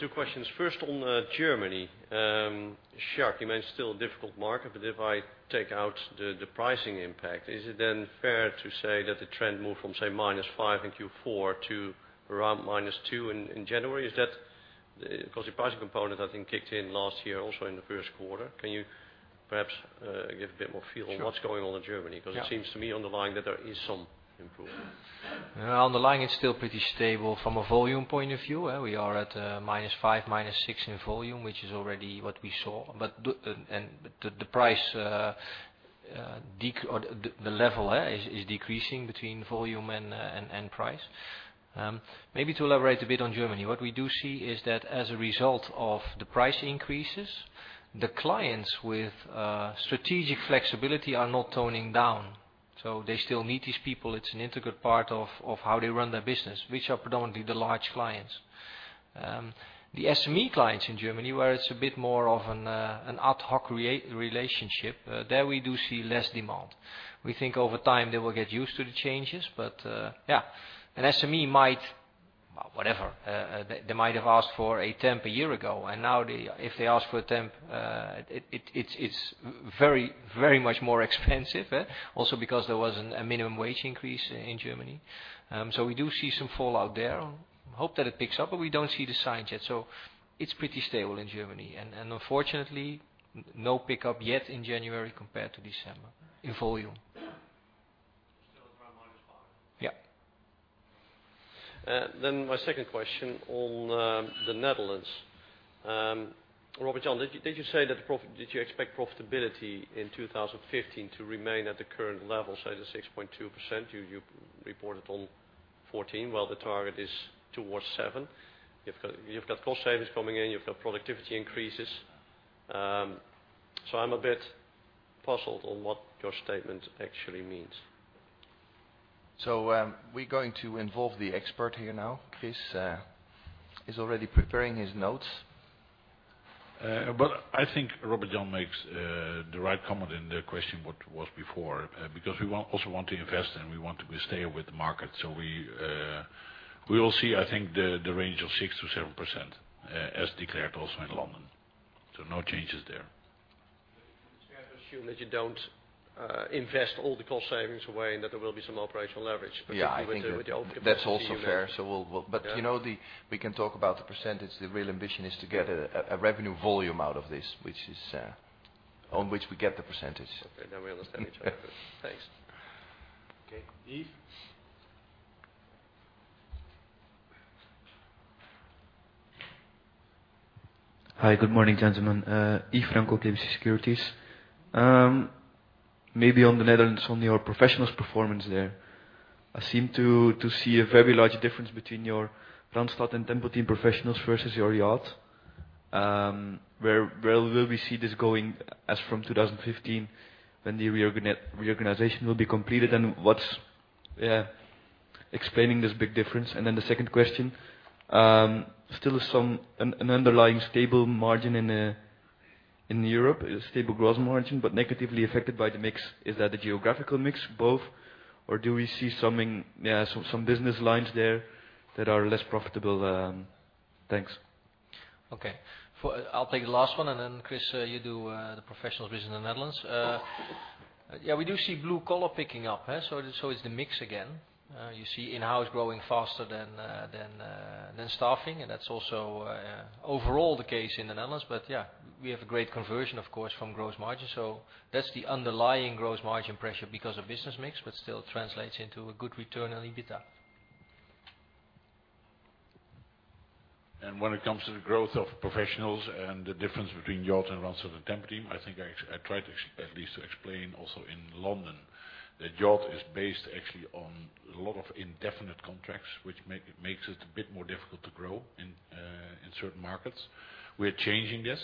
Okay. Next question. Mark. Two questions. First on Germany. Jacques, you mentioned still a difficult market, if I take out the pricing impact, is it then fair to say that the trend moved from, say, -5 in Q4 to around -2 in January? Because the pricing component, I think, kicked in last year also in the first quarter. Can you perhaps give a bit more feel. Sure on what's going on in Germany? Yeah. It seems to me underlying that there is some improvement. Underlying, it's still pretty stable from a volume point of view. We are at -5, -6 in volume, which is already what we saw. The level is decreasing between volume and price. Maybe to elaborate a bit on Germany, what we do see is that as a result of the price increases, the clients with strategic flexibility are not toning down. They still need these people. It's an integral part of how they run their business, which are predominantly the large clients. The SME clients in Germany, where it's a bit more of an ad hoc relationship, there we do see less demand. We think over time they will get used to the changes. Yeah, an SME might have asked for a temp a year ago, and now if they ask for a temp, it's very much more expensive. Also because there was a minimum wage increase in Germany. We do see some fallout there. Hope that it picks up, we don't see the signs yet. It's pretty stable in Germany. Unfortunately, no pickup yet in January compared to December in volume. Still around -5? Yeah. My second question on the Netherlands. Robert-Jan, did you say that you expect profitability in 2015 to remain at the current level, say the 6.2% you reported on 2014, while the target is towards 7%? You've got cost savings coming in, you've got productivity increases. I'm a bit puzzled on what your statement actually means. We're going to involve the expert here now. Chris is already preparing his notes. I think Robert-Jan makes the right comment in the question what was before, because we also want to invest, and we want to stay with the market. We will see, I think, the range of 6%-7%, as declared also in London. No changes there. I have to assume that you don't invest all the cost savings away and that there will be some operational leverage. Yeah particularly with the opportunity you mentioned. That's also fair. We can talk about the percentage. The real ambition is to get a revenue volume out of this, on which we get the percentage. Okay. Now we understand each other. Thanks. Okay. Yves. Hi, good morning, gentlemen. Yves Franco, RBC Securities. On the Netherlands, on your professionals performance there. I seem to see a very large difference between your Randstad and Tempo-Team Professionals versus your Yacht. Where will we see this going as from 2015 when the reorganization will be completed, and what's explaining this big difference? The second question, still an underlying stable margin in Europe, stable gross margin, but negatively affected by the mix. Is that the geographical mix, both, or do we see some business lines there that are less profitable? Thanks. Okay. I'll take the last one, Chris, you do the professionals business in the Netherlands. We do see blue collar picking up. It's the mix again. You see in-house growing faster than staffing, and that's also overall the case in the Netherlands. We have a great conversion, of course, from gross margin. That's the underlying gross margin pressure because of business mix, but still translates into a good return on EBITDA. When it comes to the growth of professionals and the difference between Yacht and Randstad and Tempo-Team, I think I tried at least to explain also in London that Yacht is based actually on a lot of indefinite contracts, which makes it a bit more difficult to grow in certain markets. We're changing this,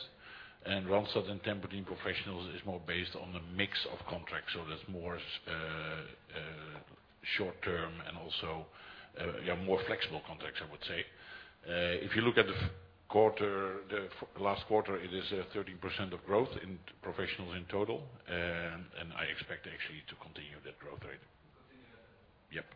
Randstad and Tempo-Team Professionals is more based on a mix of contracts, there's more short-term and also more flexible contracts, I would say. If you look at the last quarter, it is 13% of growth in professionals in total, I expect actually to continue that growth rate. Continue that. Yep.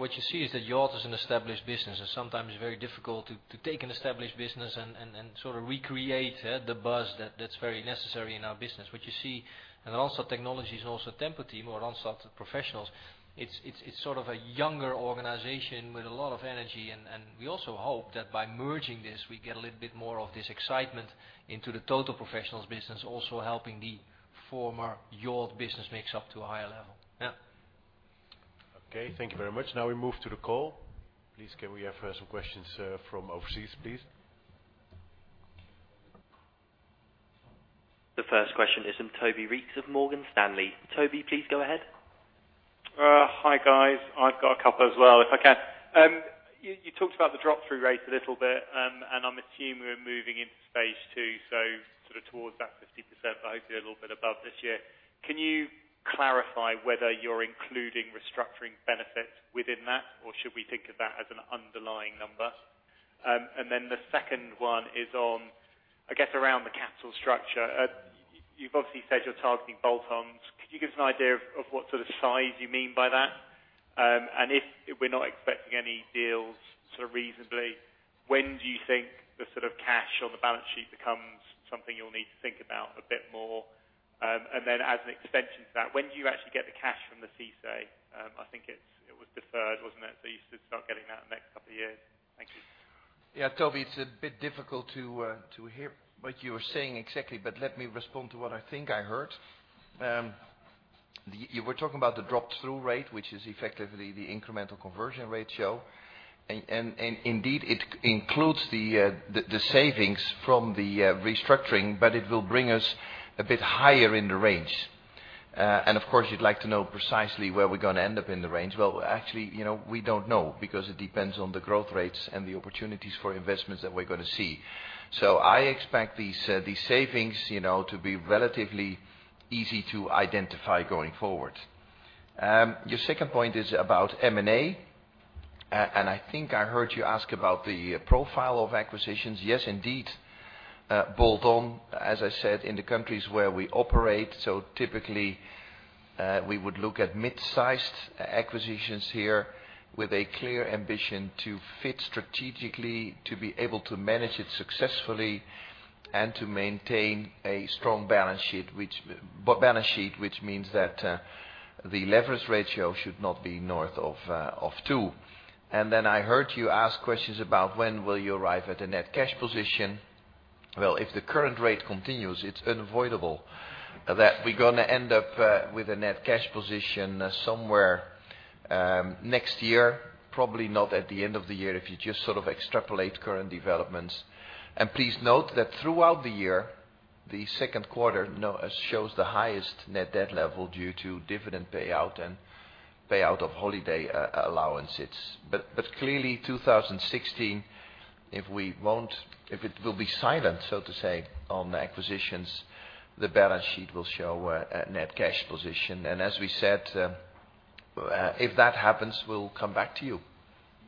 What you see is that Yacht is an established business, and sometimes it's very difficult to take an established business and sort of recreate the buzz that's very necessary in our business. What you see in Randstad Technologies and also Tempo-Team or Randstad Professionals, it's sort of a younger organization with a lot of energy. We also hope that by merging this, we get a little bit more of this excitement into the total professionals business, also helping the former Yacht business mix up to a higher level. Yeah. Okay. Thank you very much. Now we move to the call. Please, can we have some questions from overseas, please? The first question is from Toby Reeks of Morgan Stanley. Toby, please go ahead. Hi, guys. I've got a couple as well, if I can. You talked about the drop-through rate a little bit. I'm assuming we're moving into phase two, so sort of towards that 50%, but hopefully a little bit above this year. Can you clarify whether you're including restructuring benefits within that, or should we think of that as an underlying number? The second one is on, I guess, around the capital structure. You've obviously said you're targeting bolt-ons. Could you give us an idea of what sort of size you mean by that? If we're not expecting any deals sort of reasonably, when do you think the sort of cash on the balance sheet becomes something you'll need to think about a bit more? As an extension to that, when do you actually get the cash from the CICE? I think it was deferred, wasn't it? You should start getting that in the next couple of years. Thank you. Yeah. Toby, it's a bit difficult to hear what you're saying exactly, but let me respond to what I think I heard. You were talking about the drop-through rate, which is effectively the incremental conversion ratio. Indeed, it includes the savings from the restructuring, but it will bring us a bit higher in the range. Of course, you'd like to know precisely where we're going to end up in the range. Well, actually, we don't know because it depends on the growth rates and the opportunities for investments that we're going to see. I expect these savings to be relatively easy to identify going forward. Your second point is about M&A. I think I heard you ask about the profile of acquisitions. Yes, indeed, bolt-on, as I said, in the countries where we operate. Typically, we would look at mid-sized acquisitions here with a clear ambition to fit strategically, to be able to manage it successfully, and to maintain a strong balance sheet. Which means that the leverage ratio should not be north of two. I heard you ask questions about when will you arrive at a net cash position. Well, if the current rate continues, it's unavoidable that we're going to end up with a net cash position somewhere next year, probably not at the end of the year if you just sort of extrapolate current developments. Please note that throughout the year, the second quarter shows the highest net debt level due to dividend payout and payout of holiday allowances. Clearly 2016, if it will be silent, so to say, on acquisitions, the balance sheet will show a net cash position. As we said, if that happens, we will come back to you.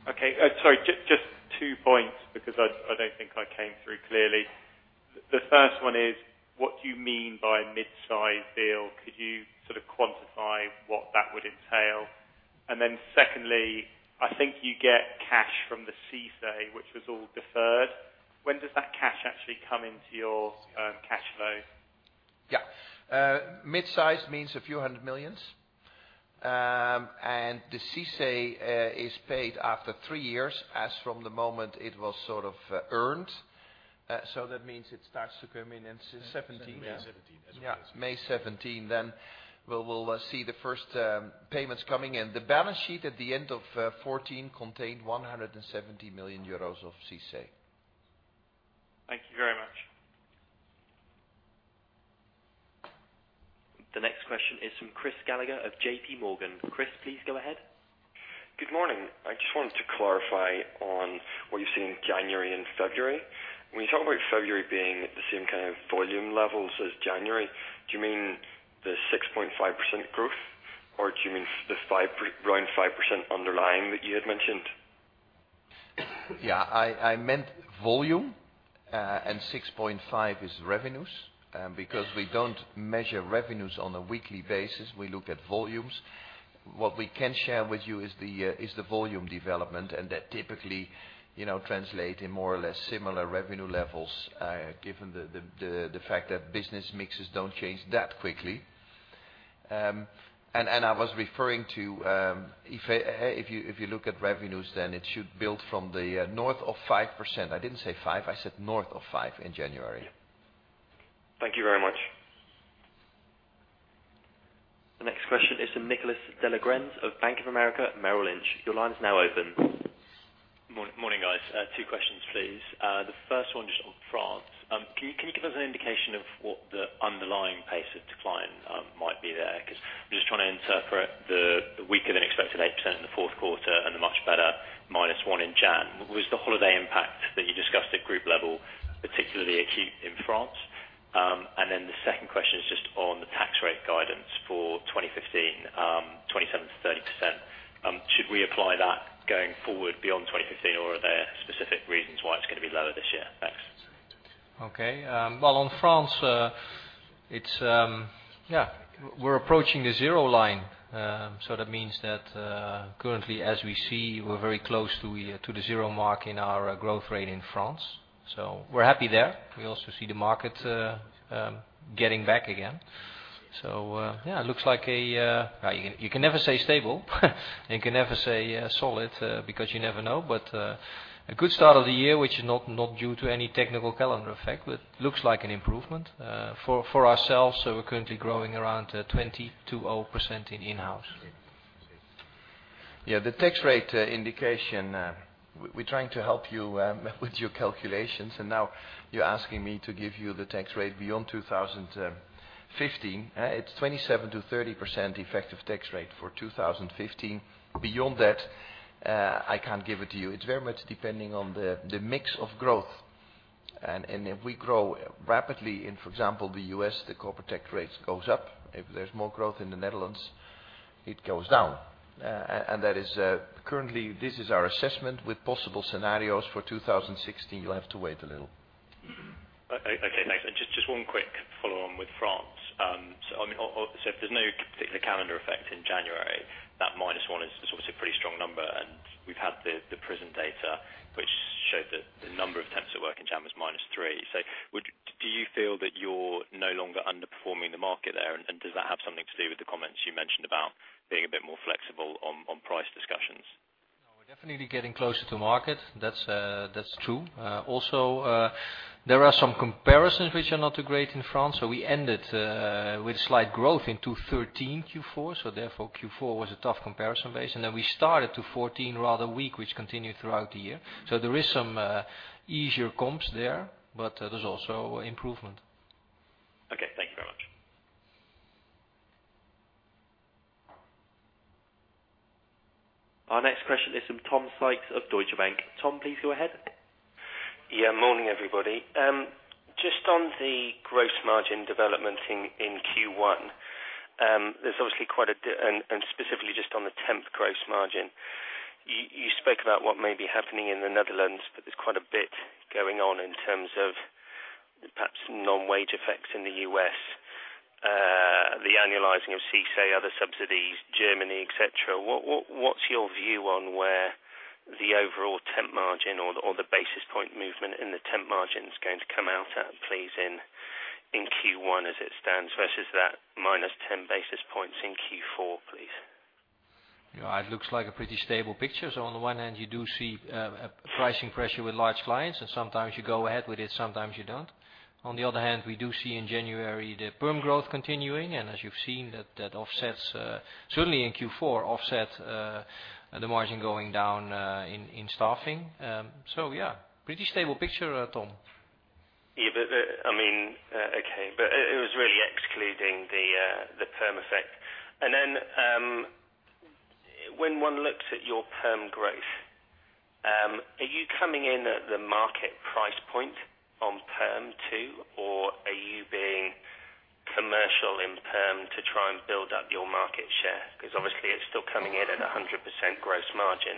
Okay. Sorry, just two points because I do not think I came through clearly. The first one is, what do you mean by mid-size deal? Could you sort of quantify what that would entail? Secondly, I think you get cash from the CICE, which was all deferred. When does that cash actually come into your cash flow? Yeah. Mid-size means EUR a few hundred millions. The CICE is paid after three years, as from the moment it was sort of earned. That means it starts to come in in 2017. May 2017 as well. Yeah. May 2017, we will see the first payments coming in. The balance sheet at the end of 2014 contained 170 million euros of CICE. Thank you very much. The next question is from Chris Gallagher of JP Morgan. Chris, please go ahead. Good morning. I just wanted to clarify on what you see in January and February. When you talk about February being at the same kind of volume levels as January, do you mean the 6.5% growth, or do you mean the around 5% underlying that you had mentioned? Yeah, I meant volume, 6.5 is revenues. We don't measure revenues on a weekly basis, we look at volumes. What we can share with you is the volume development, and that typically translates in more or less similar revenue levels, given the fact that business mixes don't change that quickly. I was referring to if you look at revenues, then it should build from the north of 5%. I didn't say five, I said north of five in January. Thank you very much. The next question is from Nicholas de la Grense of Bank of America Merrill Lynch. Your line is now open. Morning, guys. Two questions, please. The first one just on France. Can you give us an indication of what the underlying pace of decline might be there? I'm just trying to interpret the weaker than expected 8% in the fourth quarter and the much better minus one in January. Was the holiday impact that you discussed at group level, particularly acute in France? The second question is just on the tax rate guidance for 2015, 27%-30%. Should we apply that going forward beyond 2015 or are there specific reasons why it's going to be lower this year? Thanks. Well, on France, we're approaching the zero line. That means that currently as we see, we're very close to the zero mark in our growth rate in France. We're happy there. We also see the market getting back again. It looks like a You can never say stable, and you can never say solid because you never know. A good start of the year, which is not due to any technical calendar effect, but looks like an improvement for ourselves. We're currently growing around 20%-0% in in-house. The tax rate indication, we're trying to help you with your calculations, and now you're asking me to give you the tax rate beyond 2015. It's 27%-30% effective tax rate for 2015. Beyond that, I can't give it to you. It's very much depending on the mix of growth. If we grow rapidly in, for example, the U.S., the corporate tax rates goes up. If there's more growth in the Netherlands, it goes down. That is currently this is our assessment with possible scenarios for 2016. You'll have to wait a little. Thanks. Just one quick follow on with France. If there's no particular calendar effect in January, that minus one is obviously a pretty strong number, and we've had the Prism'emploi data, which showed that the number of temps at work in Jan was minus three. Do you feel that you're no longer underperforming the market there? Does that have something to do with the comments you mentioned about being a bit more flexible on price discussions? No, we're definitely getting closer to market, that's true. Also, there are some comparisons which are not too great in France. We ended with slight growth in 2013 Q4. Therefore, Q4 was a tough comparison base. Then we started 2014 rather weak, which continued throughout the year. There is some easier comps there, but there's also improvement. Okay, thank you very much. Our next question is from Tom Sykes of Deutsche Bank. Tom, please go ahead. Morning, everybody. Just on the gross margin development in Q1, there's obviously quite a and specifically just on the temp gross margin. You spoke about what may be happening in the Netherlands, but there's quite a bit going on in terms of perhaps non-wage effects in the U.S., the annualizing of CICE, other subsidies, Germany, et cetera. What's your view on where the overall temp margin or the basis point movement in the temp margin is going to come out at play in Q1 as it stands versus that -10 basis points in Q4, please? It looks like a pretty stable picture. On the one hand, you do see pricing pressure with large clients, and sometimes you go ahead with it, sometimes you don't. On the other hand, we do see in January the perm growth continuing, and as you've seen that offsets, certainly in Q4, offset the margin going down in staffing. Yeah, pretty stable picture, Tom. Yeah. Okay. It was really excluding the perm effect. When one looks at your perm growth, are you coming in at the market price point on perm too? Are you being commercial in perm to try and build up your market share? Obviously it's still coming in at 100% gross margin,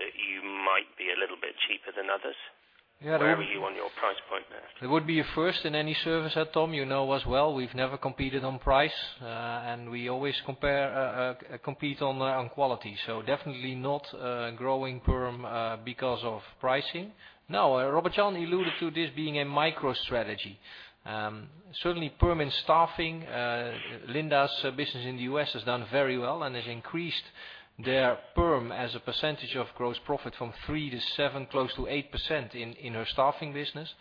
but you might be a little bit cheaper than others. Yeah. Where were you on your price point there? It would be a first in any service, Tom. You know as well, we've never competed on price, and we always compete on quality. Definitely not growing perm because of pricing. Robert-Jan alluded to this being a micro strategy. Certainly perm in staffing, Linda's business in the U.S. has done very well and has increased their perm as a percentage of gross profit from 3% to 7%, close to 8% in her staffing business.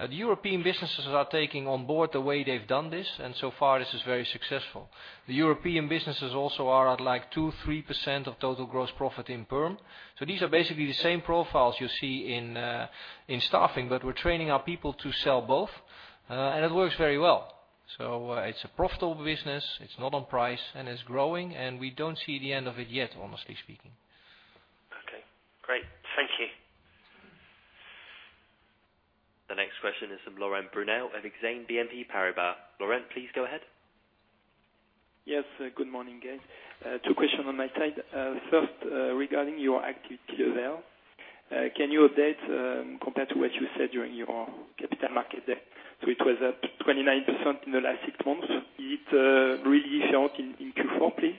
The European businesses are taking on board the way they've done this, and so far this is very successful. The European businesses also are at like 2%, 3% of total gross profit in perm. These are basically the same profiles you see in staffing, but we're training our people to sell both. It works very well. It's a profitable business, it's not on price, and it's growing, and we don't see the end of it yet, honestly speaking. Okay, great. Thank you. The next question is from Laurent Brunel of Exane BNP Paribas. Laurent, please go ahead. Yes, good morning, guys. Two question on my side. First, regarding your activity levels. Can you update, compared to what you said during your capital market day? It was up 29% in the last six months. It really shot in Q4, please.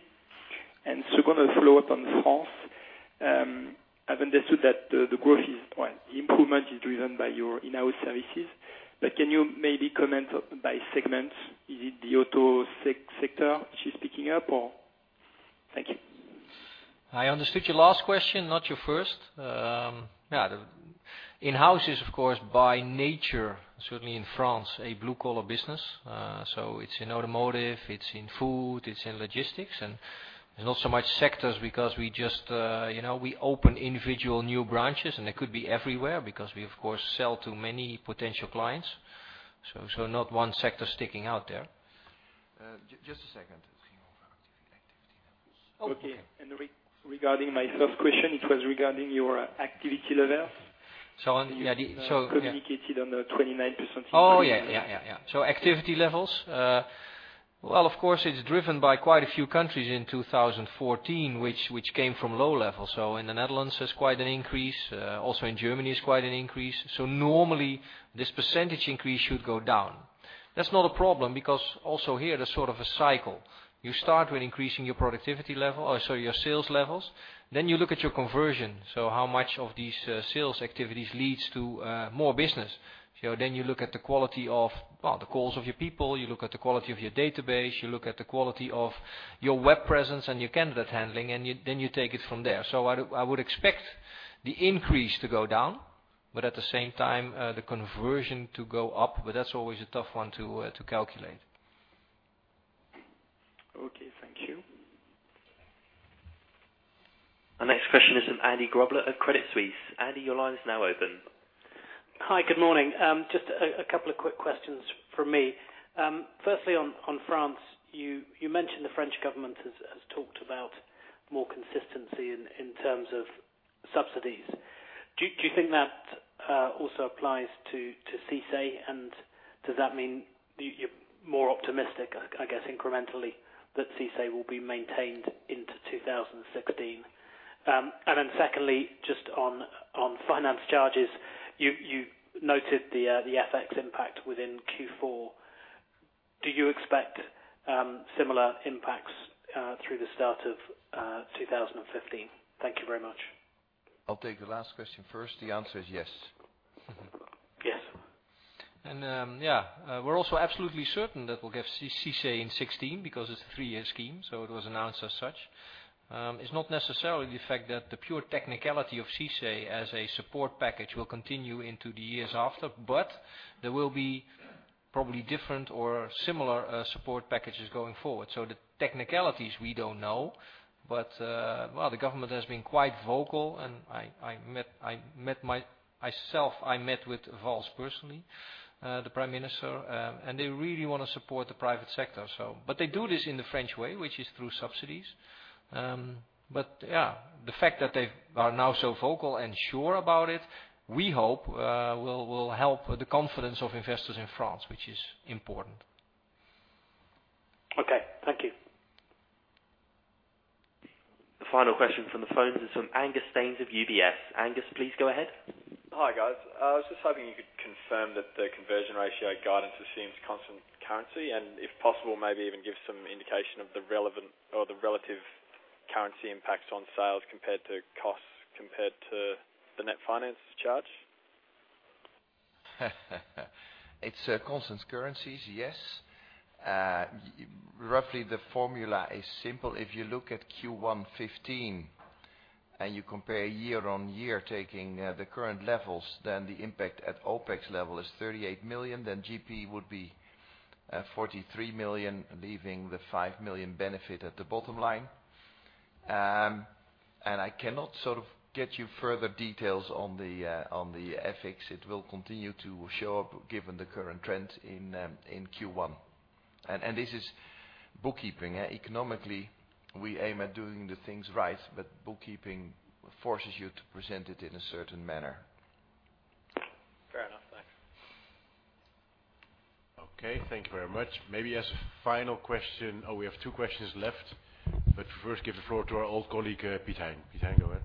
Second, a follow-up on France. I've understood that the growth well, the improvement is driven by your in-house services. Can you maybe comment by segment? Is it the auto sector which is picking up or? Thank you. I understood your last question, not your first. In-house is, of course, by nature, certainly in France, a blue-collar business. It's in automotive, it's in food, it's in logistics, and there's not so much sectors because we open individual new branches, and they could be everywhere because we, of course, sell to many potential clients. Not one sector sticking out there. Just a second. It's going over activity levels. Okay. Regarding my first question, it was regarding your activity levels. Yeah. You communicated on the 29% increase. Oh yeah. Activity levels. Well, of course, it's driven by quite a few countries in 2014, which came from low levels. In the Netherlands, there's quite an increase. Also in Germany is quite an increase. Normally this percentage increase should go down. That's not a problem because also here, there's sort of a cycle. You start with increasing your sales levels, then you look at your conversion. How much of these sales activities leads to more business. You look at the quality of the calls of your people. You look at the quality of your database. You look at the quality of your web presence and your candidate handling, and then you take it from there. I would expect the increase to go down, but at the same time, the conversion to go up, but that's always a tough one to calculate. Okay. Thank you. Our next question is from Andy Grobler of Credit Suisse. Andy, your line is now open. Hi. Good morning. Just a couple of quick questions from me. Firstly, on France, you mentioned the French government has talked about more consistency in terms of subsidies. Do you think that also applies to CICE, and does that mean you're more optimistic, I guess, incrementally that CICE will be maintained into 2016? Secondly, just on finance charges. You noted the FX impact within Q4. Do you expect similar impacts through the start of 2015? Thank you very much. I'll take the last question first. The answer is yes. Yes. We're also absolutely certain that we'll get CICE in 2016 because it's a three-year scheme. It was announced as such. It's not necessarily the fact that the pure technicality of CICE as a support package will continue into the years after, but there will be probably different or similar support packages going forward. The technicalities we don't know. The government has been quite vocal and I met with Valls personally, the Prime Minister, and they really want to support the private sector. They do this in the French way, which is through subsidies. The fact that they are now so vocal and sure about it, we hope, will help the confidence of investors in France, which is important. Okay. Thank you. The final question from the phones is from Angus Staines of UBS. Angus, please go ahead. Hi, guys. I was just hoping you could confirm that the conversion ratio guidance assumes constant currency and if possible, maybe even give some indication of the relevant or the relative currency impacts on sales compared to costs compared to the net finance charge. It's constant currencies, yes. Roughly the formula is simple. If you look at Q1 2015 and you compare year-over-year, taking the current levels, the impact at OpEx level is 38 million. GP would be 43 million, leaving the 5 million benefit at the bottom line. I cannot sort of get you further details on the FX. It will continue to show up given the current trend in Q1. This is bookkeeping. Economically, we aim at doing the things right, but bookkeeping forces you to present it in a certain manner. Fair enough. Thanks. Okay, thank you very much. Maybe as a final question. Oh, we have two questions left. First give the floor to our old colleague, Piet Hein. Piet Hein, go ahead.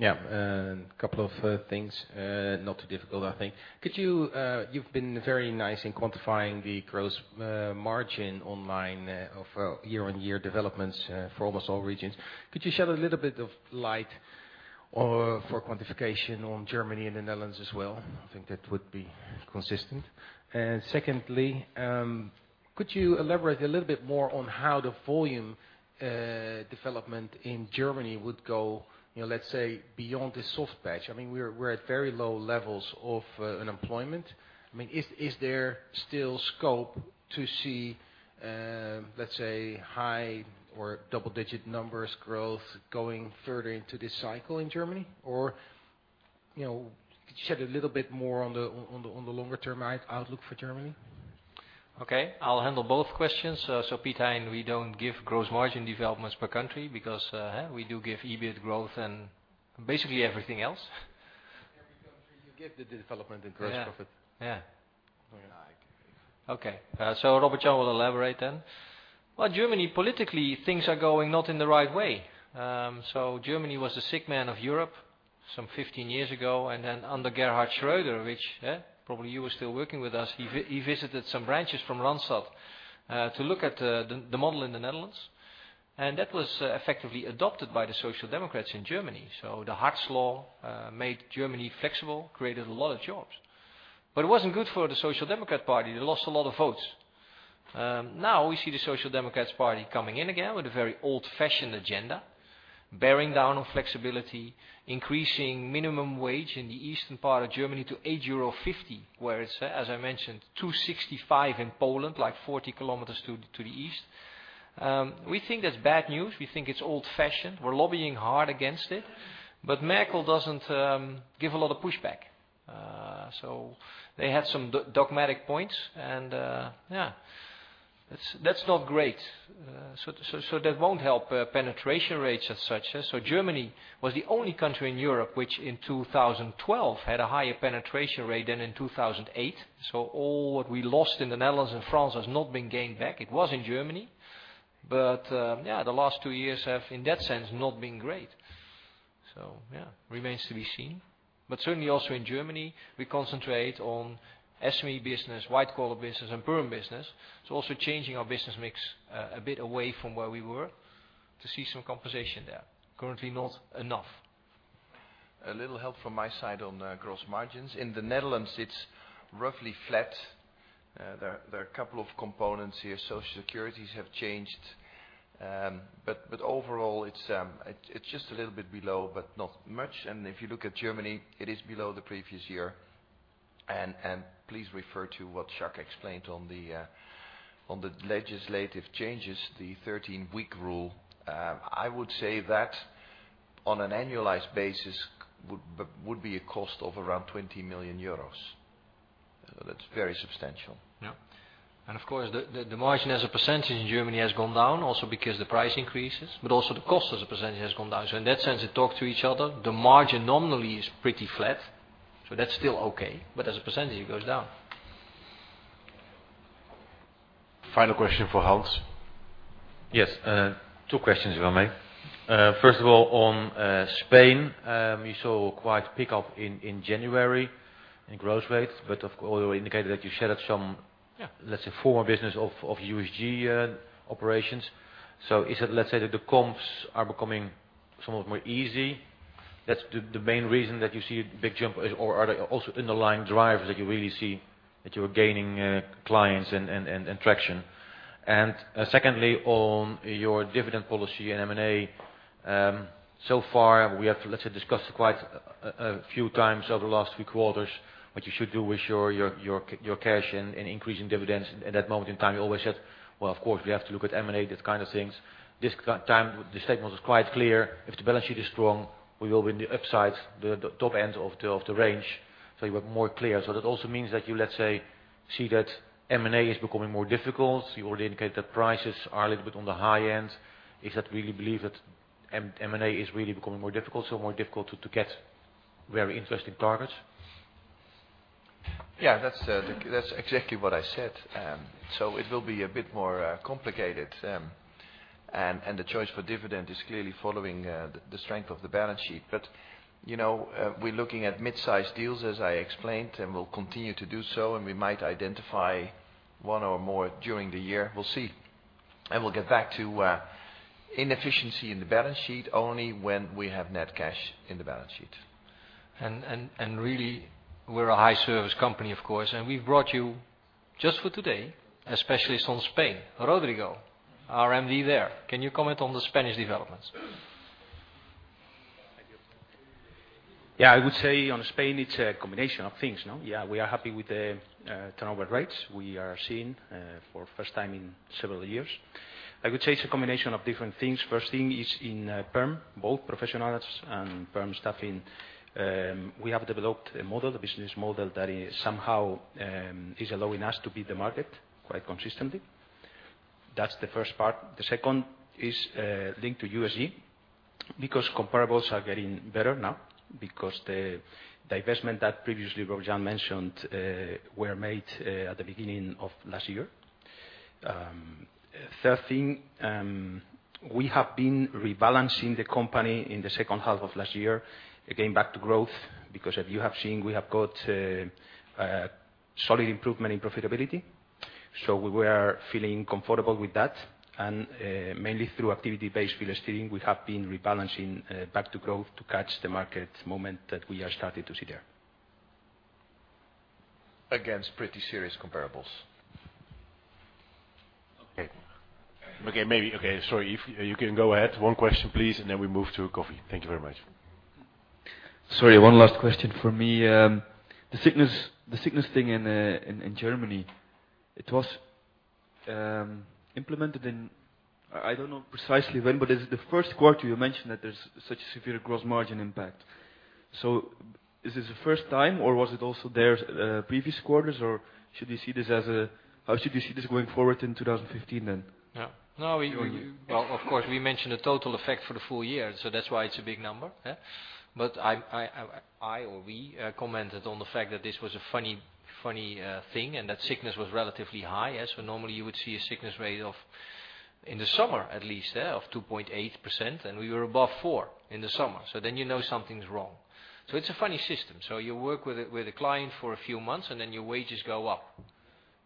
Yeah. A couple of things, not too difficult I think. You've been very nice in quantifying the gross margin online of year-over-year developments for almost all regions. Could you shed a little bit of light for quantification on Germany and the Netherlands as well? I think that would be consistent. Secondly, could you elaborate a little bit more on how the volume development in Germany would go, let's say, beyond this soft patch? We're at very low levels of unemployment. Is there still scope to see, let's say, high or double-digit numbers growth going further into this cycle in Germany? Could you shed a little bit more on the longer-term outlook for Germany? Okay. I'll handle both questions. Piet Hein, we don't give gross margin developments per country because we do give EBIT growth and basically everything else. Every country you give the development in gross profit. Yeah. Okay. Robert-Jan will elaborate then. Germany, politically, things are going not in the right way. Germany was the sick man of Europe some 15 years ago, then under Gerhard Schröder, which probably you were still working with us. He visited some branches from Randstad to look at the model in the Netherlands. That was effectively adopted by the social democrats in Germany. The Hartz law made Germany flexible, created a lot of jobs. It wasn't good for the Social Democrat Party. They lost a lot of votes. Now we see the Social Democrats Party coming in again with a very old-fashioned agenda, bearing down on flexibility, increasing minimum wage in the eastern part of Germany to 8.50 euro, where it's, as I mentioned, 2.65 in Poland, 40 kilometers to the east. We think that's bad news. We think it's old-fashioned. We're lobbying hard against it. Merkel doesn't give a lot of pushback. They have some dogmatic points and yeah, that's not great. That won't help penetration rates as such. Germany was the only country in Europe, which in 2012 had a higher penetration rate than in 2008. All what we lost in the Netherlands and France has not been gained back. It was in Germany. Yeah, the last two years have, in that sense, not been great. Yeah, remains to be seen. Certainly also in Germany, we concentrate on SME business, white collar business, and perm business. Also changing our business mix a bit away from where we were to see some compensation there. Currently not enough. A little help from my side on gross margins. In the Netherlands, it's roughly flat. There are a couple of components here. Social securities have changed. Overall it's just a little bit below, but not much. If you look at Germany, it is below the previous year. Please refer to what Jacques explained on the legislative changes, the 13-week rule. I would say that on an annualized basis, would be a cost of around 20 million euros. That's very substantial. Of course, the margin as a percentage in Germany has gone down also because the price increases, but also the cost as a percentage has gone down. In that sense, they talk to each other. The margin nominally is pretty flat. That's still okay, but as a percentage, it goes down. Final question for Hans. Two questions, if I may. First of all, on Spain, we saw quite a pickup in January in growth rates. Of course, you indicated that you shed some- Yeah let's say, former business of USG operations. Is it, let's say that the comps are becoming somewhat more easy? That's the main reason that you see a big jump? Or are there also underlying drivers that you really see that you are gaining clients and traction? Secondly, on your dividend policy and M&A. So far, we have, let's say, discussed quite a few times over the last few quarters what you should do with your cash and increasing dividends. In that moment in time, you always said, "Well, of course, we have to look at M&A," those kind of things. This time, the statement was quite clear. If the balance sheet is strong, we will be in the upside, the top end of the range. You were more clear. That also means that you, let's say, see that M&A is becoming more difficult. You already indicated that prices are a little bit on the high end. Is that really belief that M&A is really becoming more difficult? More difficult to get very interesting targets? Yeah. That's exactly what I said. It will be a bit more complicated. The choice for dividend is clearly following the strength of the balance sheet. We're looking at mid-size deals, as I explained, and we'll continue to do so, and we might identify one or more during the year. We'll see, and we'll get back to inefficiency in the balance sheet only when we have net cash in the balance sheet. Really, we're a high service company, of course, and we've brought you just for today, a specialist on Spain. Rodrigo, our MD there. Can you comment on the Spanish developments? Thank you. I would say on Spain, it's a combination of things. We are happy with the turnover rates we are seeing for the first time in several years. I would say it's a combination of different things. First thing is in perm, both Randstad Professionals and perm staffing. We have developed a model, a business model that is somehow allowing us to beat the market quite consistently. That's the first part. The second is linked to USG because comparables are getting better now because the divestment that previously Robert-Jan mentioned were made at the beginning of last year. Third thing, we have been rebalancing the company in the second half of last year, again back to growth, because as you have seen, we have got a solid improvement in profitability. We were feeling comfortable with that. Mainly through activity-based field steering, we have been rebalancing back to growth to catch the market moment that we are starting to see there. Against pretty serious comparables. Okay. Sorry. If you can go ahead, one question, please, and then we move to coffee. Thank you very much. Sorry, one last question from me. The sickness thing in Germany. It was implemented in, I don't know precisely when, but is it the first quarter you mentioned that there's such a severe gross margin impact? Is this the first time, or was it also there previous quarters, or should we see this as how should we see this going forward in 2015? Of course, we mentioned the total effect for the full year, that's why it's a big number. I or we commented on the fact that this was a funny thing, and that sickness was relatively high as well. Normally, you would see a sickness rate of, in the summer at least, of 2.8%, and we were above four in the summer. You know something's wrong. It's a funny system. You work with a client for a few months, and your wages go up.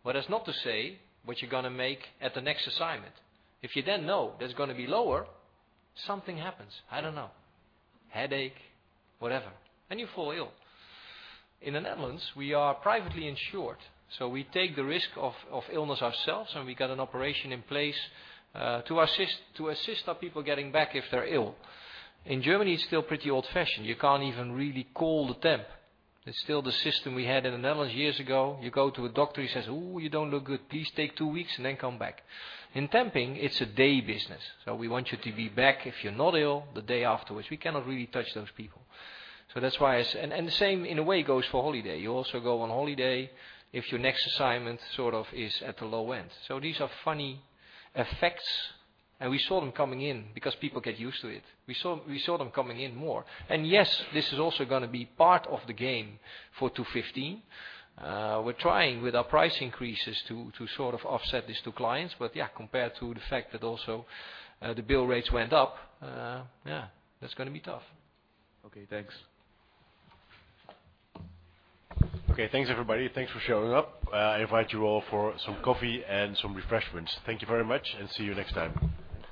That's not to say what you're going to make at the next assignment. If you know that it's going to be lower, something happens. I don't know. Headache, whatever. You fall ill. In the Netherlands, we are privately insured, we take the risk of illness ourselves, and we got an operation in place to assist our people getting back if they're ill. In Germany, it's still pretty old-fashioned. You can't even really call the temp. It's still the system we had in the Netherlands years ago. You go to a doctor, he says, "Ooh, you don't look good. Please take two weeks and come back." In temping, it's a day business, we want you to be back if you're not ill the day afterwards. We cannot really touch those people. That's why and the same, in a way, goes for holiday. You also go on holiday if your next assignment sort of is at the low end. These are funny effects, and we saw them coming in because people get used to it. We saw them coming in more. Yes, this is also going to be part of the game for 2015. We're trying with our price increases to sort of offset this to clients. Compared to the fact that also the bill rates went up, that's going to be tough. Okay, thanks. Okay, thanks everybody. Thanks for showing up. I invite you all for some coffee and some refreshments. Thank you very much, and see you next time.